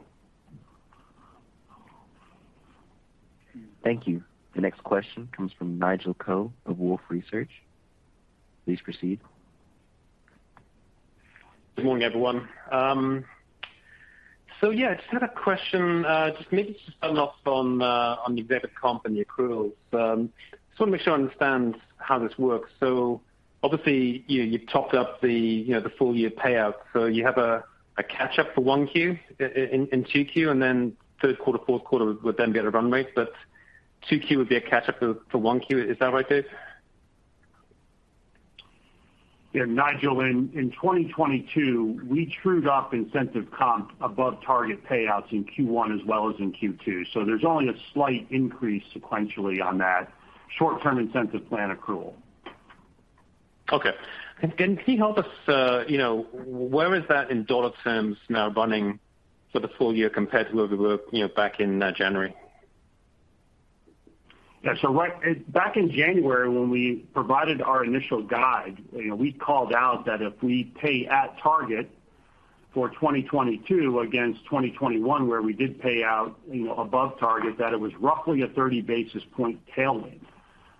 Speaker 1: Thank you. The next question comes from Nigel Coe of Wolfe Research. Please proceed.
Speaker 8: Good morning, everyone. I just had a question, just maybe to follow up on the executive company accruals. I just wanna make sure I understand how this works. Obviously, you've topped up the, you know, the full year payout, so you have a catch-up for 1Q and 2Q, and then third quarter, fourth quarter would then be at a run rate. 2Q would be a catch-up for 1Q. Is that right, Dave?
Speaker 4: Yeah, Nigel, in 2022, we trued up incentive comp above target payouts in Q1 as well as in Q2. There's only a slight increase sequentially on that short-term incentive plan accrual.
Speaker 8: Okay. Can you help us, you know, where is that in dollar terms now running for the full year compared to where we were, you know, back in January?
Speaker 4: Yeah. Back in January when we provided our initial guide, you know, we called out that if we pay at target for 2022 against 2021, where we did pay out, you know, above target, that it was roughly a 30 basis point tailwind.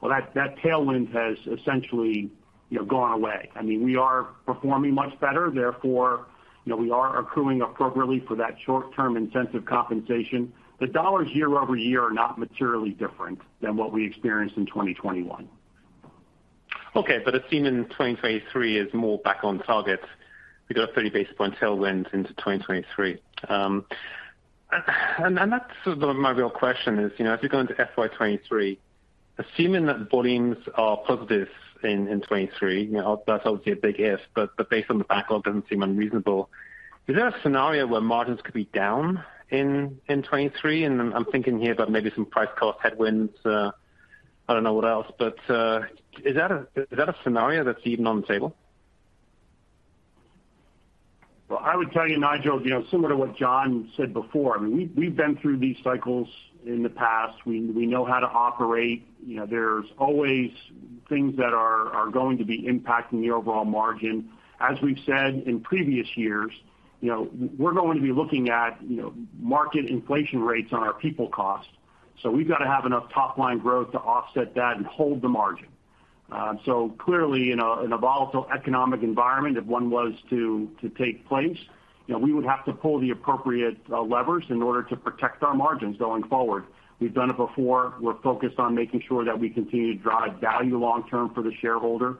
Speaker 4: Well, that tailwind has essentially, you know, gone away. I mean, we are performing much better, therefore, you know, we are accruing appropriately for that short-term incentive compensation. The dollars year-over-year are not materially different than what we experienced in 2021.
Speaker 8: Okay. Assuming 2023 is more back on target, we've got a 30 basis point tailwind into 2023. And that's sort of my real question is, you know, as you go into FY 2023, assuming that volumes are positive in 2023, you know, that's obviously a big if, but based on the backlog doesn't seem unreasonable. Is there a scenario where margins could be down in 2023? I'm thinking here about maybe some price cost headwinds. I don't know what else, but is that a scenario that's even on the table?
Speaker 4: Well, I would tell you, Nigel, you know, similar to what John said before. I mean, we've been through these cycles in the past. We know how to operate. You know, there's always things that are going to be impacting the overall margin. As we've said in previous years, you know, we're going to be looking at, you know, market inflation rates on our people costs. We've got to have enough top line growth to offset that and hold the margin. Clearly in a volatile economic environment, if one was to take place, you know, we would have to pull the appropriate levers in order to protect our margins going forward. We've done it before. We're focused on making sure that we continue to drive value long term for the shareholder.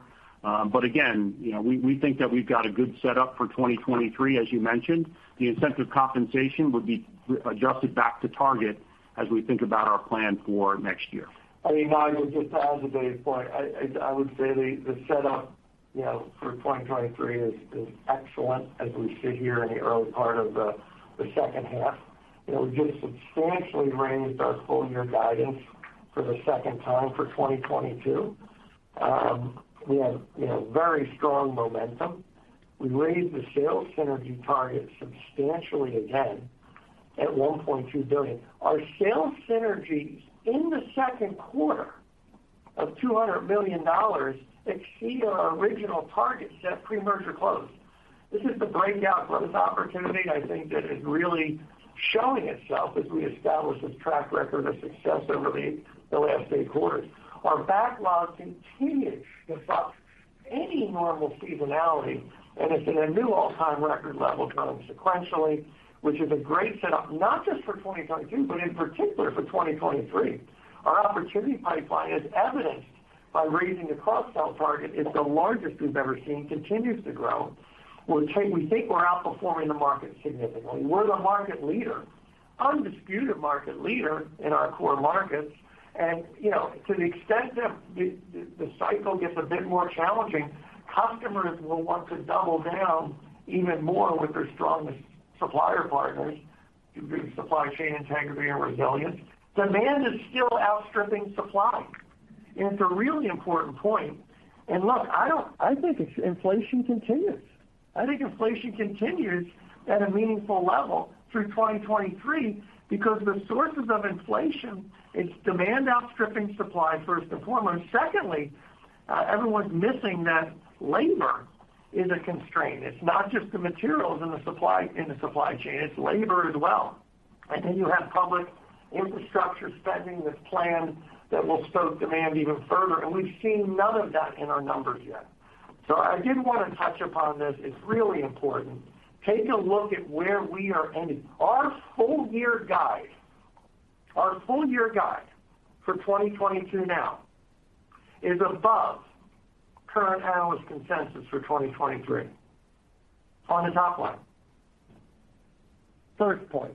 Speaker 4: Again, you know, we think that we've got a good setup for 2023, as you mentioned. The incentive compensation would be adjusted back to target as we think about our plan for next year.
Speaker 3: I mean, Nigel, just to add to Dave's point, I would say the setup, you know, for 2023 is excellent as we sit here in the early part of the second half. You know, we just substantially raised our full year guidance for the second time for 2022. We have, you know, very strong momentum. We raised the sales synergy target substantially again at $1.2 billion. Our sales synergies in the second quarter of $200 million exceed our original target set pre-merger close. This is the breakout growth opportunity I think that is really showing itself as we establish this track record of success over the last eight quarters. Our backlog continues without any normal seasonality, and it's at a new all-time record level sequentially, which is a great setup, not just for 2022, but in particular for 2023. Our opportunity pipeline, as evidenced by raising the cross-sell target, is the largest we've ever seen, continues to grow. We think we're outperforming the market significantly. We're the market leader, undisputed market leader in our core markets. You know, to the extent that the cycle gets a bit more challenging, customers will want to double down even more with their strongest supplier partners to build supply chain integrity and resilience. Demand is still outstripping supply, and it's a really important point. I think inflation continues at a meaningful level through 2023 because the sources of inflation, it's demand outstripping supply first and foremost. Secondly, everyone's missing that labor is a constraint. It's not just the materials in the supply chain, it's labor as well. Then you have public infrastructure spending that's planned that will stoke demand even further. We've seen none of that in our numbers yet. I did want to touch upon this. It's really important. Take a look at where we are ending. Our full year guide for 2022 now is above current analyst consensus for 2023 on the top line. First point.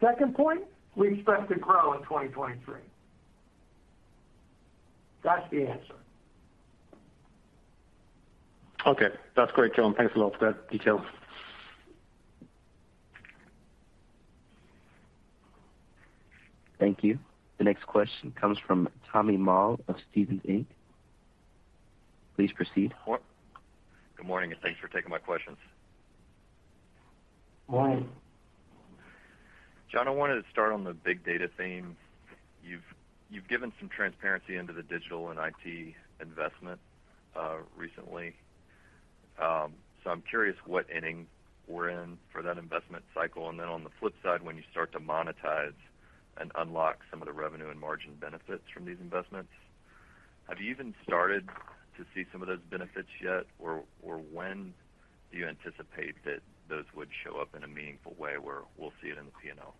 Speaker 3: Second point, we expect to grow in 2023. That's the answer.
Speaker 8: Okay. That's great, gentlemen. Thanks a lot for that detail.
Speaker 1: Thank you. The next question comes from Tommy Moll of Stephens Inc. Please proceed.
Speaker 9: Good morning, and thanks for taking my questions. John, I wanted to start on the big data theme. You've given some transparency into the digital and IT investment recently. I'm curious what inning we're in for that investment cycle. Then on the flip side, when you start to monetize and unlock some of the revenue and margin benefits from these investments, have you even started to see some of those benefits yet? Or when do you anticipate that those would show up in a meaningful way where we'll see it in the P&L?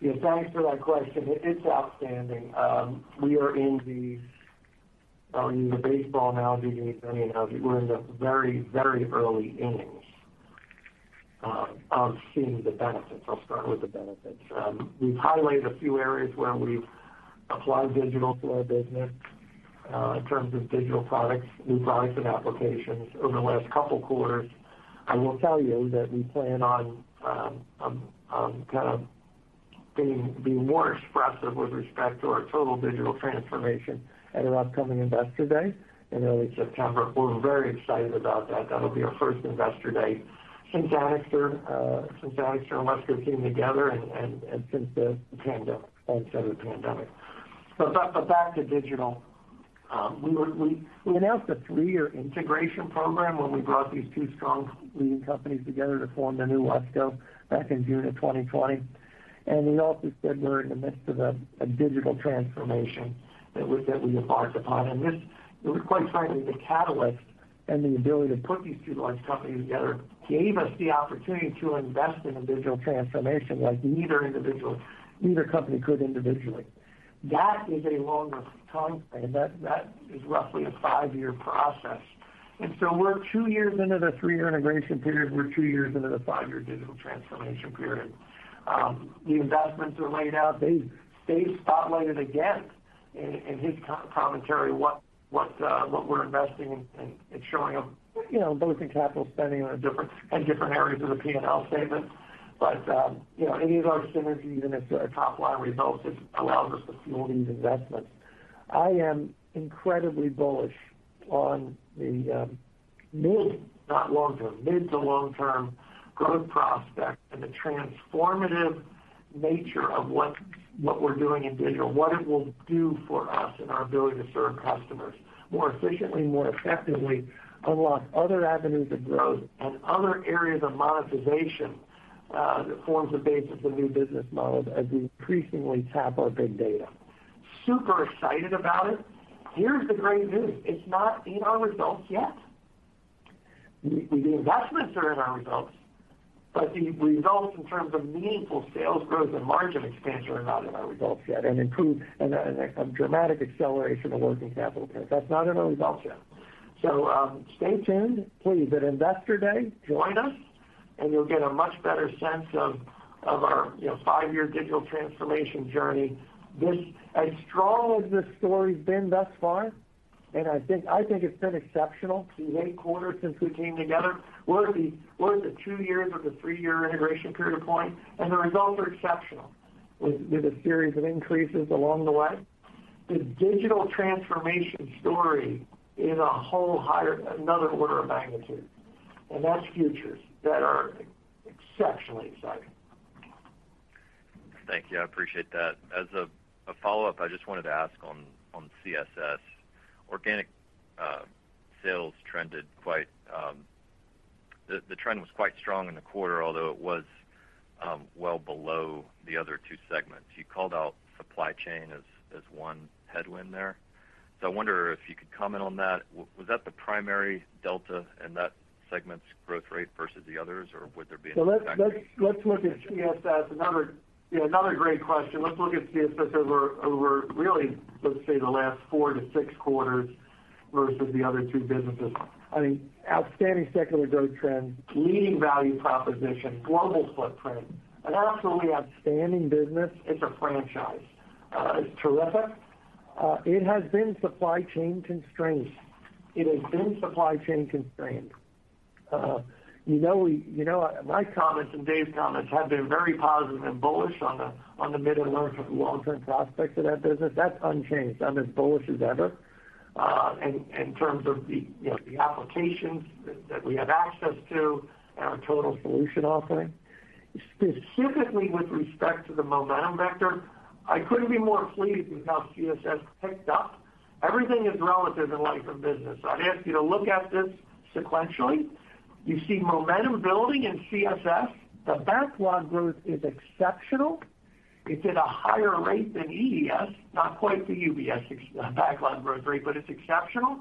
Speaker 3: Yeah, thanks for that question. It's outstanding. We are in the baseball analogy, you know. We're in the very, very early innings of seeing the benefits. I'll start with the benefits. We've highlighted a few areas where we've applied digital to our business in terms of digital products, new products, and applications over the last couple quarters. I will tell you that we plan on kind of being more expressive with respect to our total digital transformation at our upcoming Investor Day in early September. We're very excited about that. That'll be our first Investor Day since Anixter and WESCO came together and since the pandemic. Back to digital. We announced a three-year integration program when we brought these two strong leading companies together to form the new WESCO back in June of 2020. We also said we're in the midst of a digital transformation that we embarked upon. This was, quite frankly, the catalyst, and the ability to put these two large companies together gave us the opportunity to invest in a digital transformation like neither individual, neither company could individually. That is a longer time frame. That is roughly a five-year process. We're two years into the three-year integration period. We're two years into the five-year digital transformation period. The investments are laid out. Dave spotlighted again in his commentary what we're investing in, showing you know both in capital spending and different areas of the P&L statement. You know, any of our synergies and our top line results has allowed us to fuel these investments. I am incredibly bullish on the mid- to long-term growth prospect and the transformative nature of what we're doing in digital, what it will do for us and our ability to serve customers more efficiently, more effectively, unlock other avenues of growth and other areas of monetization that forms the basis of new business models as we increasingly tap our big data. Super excited about it. Here's the great news. It's not in our results yet. The investments are in our results, but the results in terms of meaningful sales growth and margin expansion are not in our results yet, and a dramatic acceleration of working capital turn. That's not in our results yet. Stay tuned, please. At Investor Day, join us, and you'll get a much better sense of our, you know, five-year digital transformation journey. This as strong as this story's been thus far, and I think it's been exceptional, the eight quarters since we came together. We're at the two years of the three-year integration period point, and the results are exceptional with a series of increases along the way. The digital transformation story is a whole another order of magnitude, and that's futures that are exceptionally exciting.
Speaker 9: Thank you. I appreciate that. As a follow-up, I just wanted to ask on CSS. Organic sales trended quite- the trend was quite strong in the quarter, although it was well below the other two segments. You called out supply chain as one headwind there. I wonder if you could comment on that. Was that the primary delta in that segment's growth rate versus the others, or would there be any factors?
Speaker 3: Let's look at CSS. Another great question. Let's look at CSS over really, let's say, the last four to six quarters versus the other two businesses. I mean, outstanding secular growth trend, leading value proposition, global footprint, an absolutely outstanding business. It's a franchise. It's terrific. It has been supply chain constrains. You know, my comments and Dave's comments have been very positive and bullish on the mid- and long-term prospects of that business. That's unchanged. I'm as bullish as ever, in terms of the applications that we have access to and our total solution offering. Specifically with respect to the momentum vector, I couldn't be more pleased with how CSS picked up. Everything is relative in life and business. I'd ask you to look at this sequentially. You see momentum building in CSS. The backlog growth is exceptional. It's at a higher rate than EES, not quite the UBS backlog growth rate, but it's exceptional.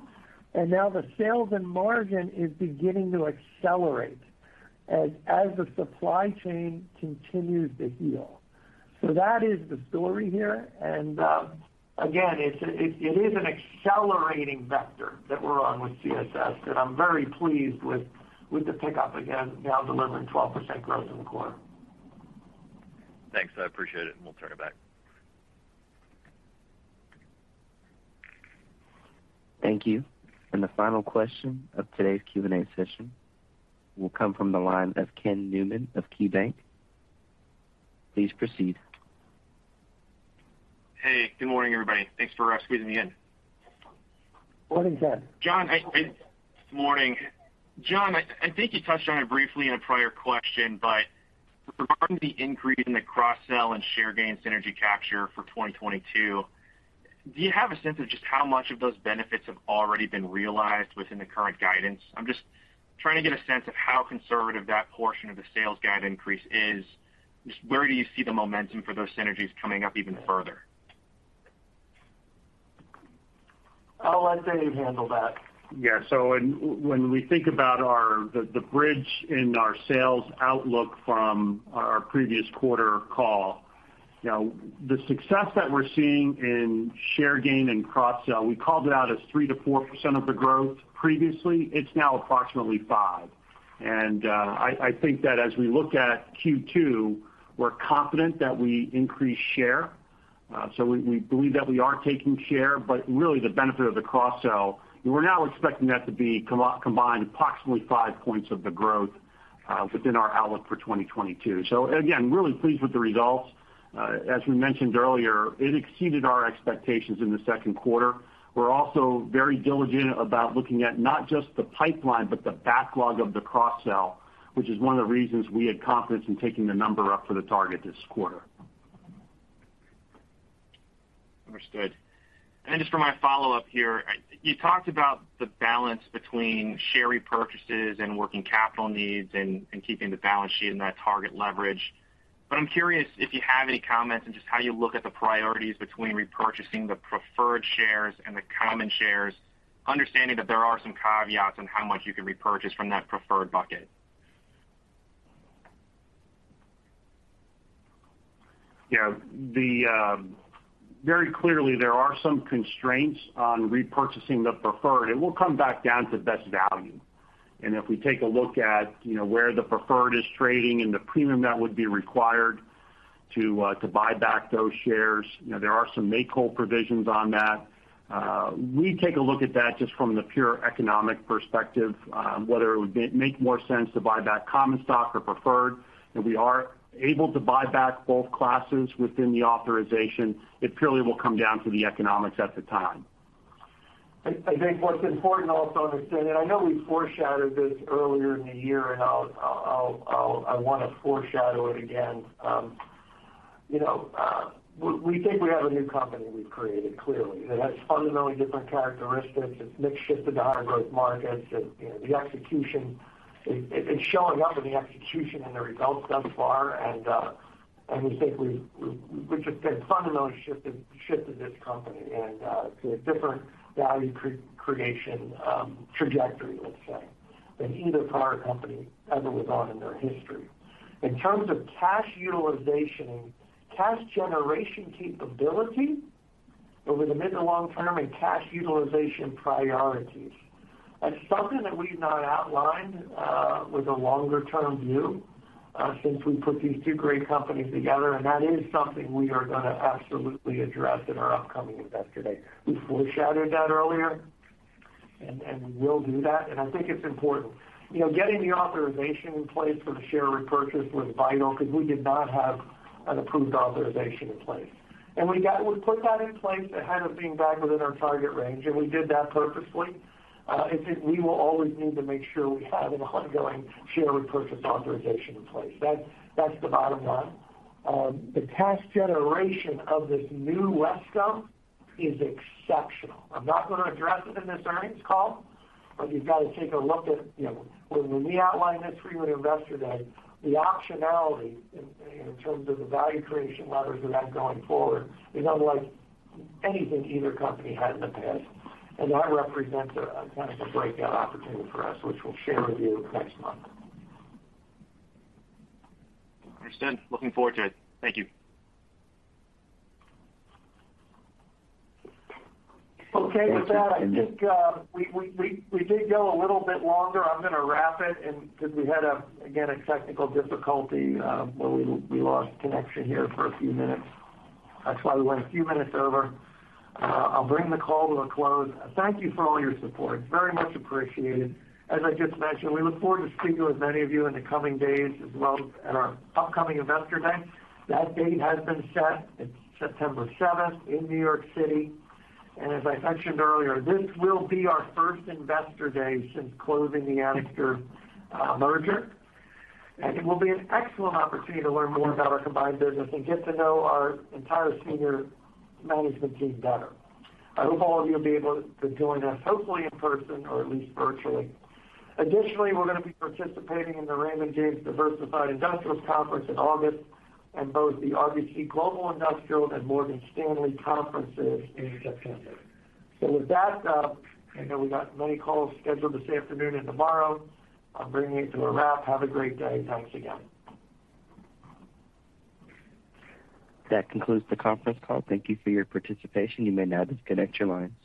Speaker 3: Now the sales and margin is beginning to accelerate as the supply chain continues to heal. That is the story here. Again, it is an accelerating vector that we're on with CSS that I'm very pleased with the pickup again, now delivering 12% growth in the quarter.
Speaker 9: Thanks. I appreciate it, and we'll turn it back.
Speaker 1: Thank you. The final question of today's Q&A session will come from the line of Ken Newman of KeyBanc. Please proceed.
Speaker 10: Hey, good morning, everybody. Thanks for squeezing me in.
Speaker 3: Morning, Ken.
Speaker 10: John, I think you touched on it briefly in a prior question, but regarding the increase in the cross-sell and share gain synergy capture for 2022, do you have a sense of just how much of those benefits have already been realized within the current guidance? I'm just trying to get a sense of how conservative that portion of the sales guide increase is. Just where do you see the momentum for those synergies coming up even further?
Speaker 3: I'll let Dave handle that.
Speaker 4: When we think about the bridge in our sales outlook from our previous quarter call, you know, the success that we're seeing in share gain and cross-sell, we called it out as 3%-4% of the growth previously. It's now approximately 5%. I think that as we look at Q2, we're confident that we increase share. We believe that we are taking share, but really the benefit of the cross-sell, we're now expecting that to be combined approximately 5 points of the growth within our outlook for 2022. Again, really pleased with the results. As we mentioned earlier, it exceeded our expectations in the second quarter. We're also very diligent about looking at not just the pipeline, but the backlog of the cross-sell, which is one of the reasons we had confidence in taking the number up for the target this quarter.
Speaker 10: Understood. Just for my follow-up here, you talked about the balance between share repurchases and working capital needs and keeping the balance sheet in that target leverage. I'm curious if you have any comments on just how you look at the priorities between repurchasing the preferred shares and the common shares, understanding that there are some caveats on how much you can repurchase from that preferred bucket.
Speaker 4: Yeah. Very clearly, there are some constraints on repurchasing the preferred. It will come back down to best value. If we take a look at, you know, where the preferred is trading and the premium that would be required to buy back those shares, you know, there are some make-whole provisions on that. We take a look at that just from the pure economic perspective, whether it would make more sense to buy back common stock or preferred. We are able to buy back both classes within the authorization. It purely will come down to the economics at the time.
Speaker 3: I think what's important also to understand, and I know we foreshadowed this earlier in the year, and I'll want to foreshadow it again. You know, we think we have a new company we've created, clearly, that has fundamentally different characteristics. It's a mix shift to the higher growth markets. You know, the execution, it's showing up in the execution and the results thus far. We think we've just fundamentally shifted this company and to a different value creation trajectory, let's say, than either of our companies ever was on in their history. In terms of cash utilization and cash generation capability over the mid- to long-term and cash utilization priorities, that's something that we've not outlined with a longer-term view since we put these two great companies together, and that is something we are gonna absolutely address in our upcoming Investor Day. We foreshadowed that earlier, and we will do that, and I think it's important. You know, getting the authorization in place for the share repurchase was vital because we did not have an approved authorization in place. We put that in place ahead of being back within our target range, and we did that purposefully. I think we will always need to make sure we have an ongoing share repurchase authorization in place. That's the bottom line. The cash generation of this new WESCO is exceptional. I'm not gonna address it in this earnings call, but you've got to take a look at, you know, when we outline this for you at Investor Day, the optionality in terms of the value creation levers of that going forward is unlike anything either company had in the past. That represents a kind of a breakout opportunity for us, which we'll share with you next month.
Speaker 10: Understood. Looking forward to it. Thank you.
Speaker 3: Okay. With that, I think, we did go a little bit longer. I'm gonna wrap it. Since we had, again, a technical difficulty, where we lost connection here for a few minutes. That's why we went a few minutes over. I'll bring the call to a close. Thank you for all your support. Very much appreciated. As I just mentioned, we look forward to speaking with many of you in the coming days, as well as at our upcoming Investor Day. That date has been set. It's September 7th in New York City. As I mentioned earlier, this will be our first Investor Day since closing the Anixter merger. It will be an excellent opportunity to learn more about our combined business and get to know our entire senior management team better. I hope all of you will be able to join us, hopefully in person or at least virtually. Additionally, we're gonna be participating in the Raymond James Diversified Industrials Conference in August and both the RBC Global Industrials Conference and Morgan Stanley conferences in September. With that, I know we got many calls scheduled this afternoon and tomorrow. I'm bringing it to a wrap. Have a great day. Thanks again.
Speaker 1: That concludes the conference call. Thank you for your participation. You may now disconnect your lines.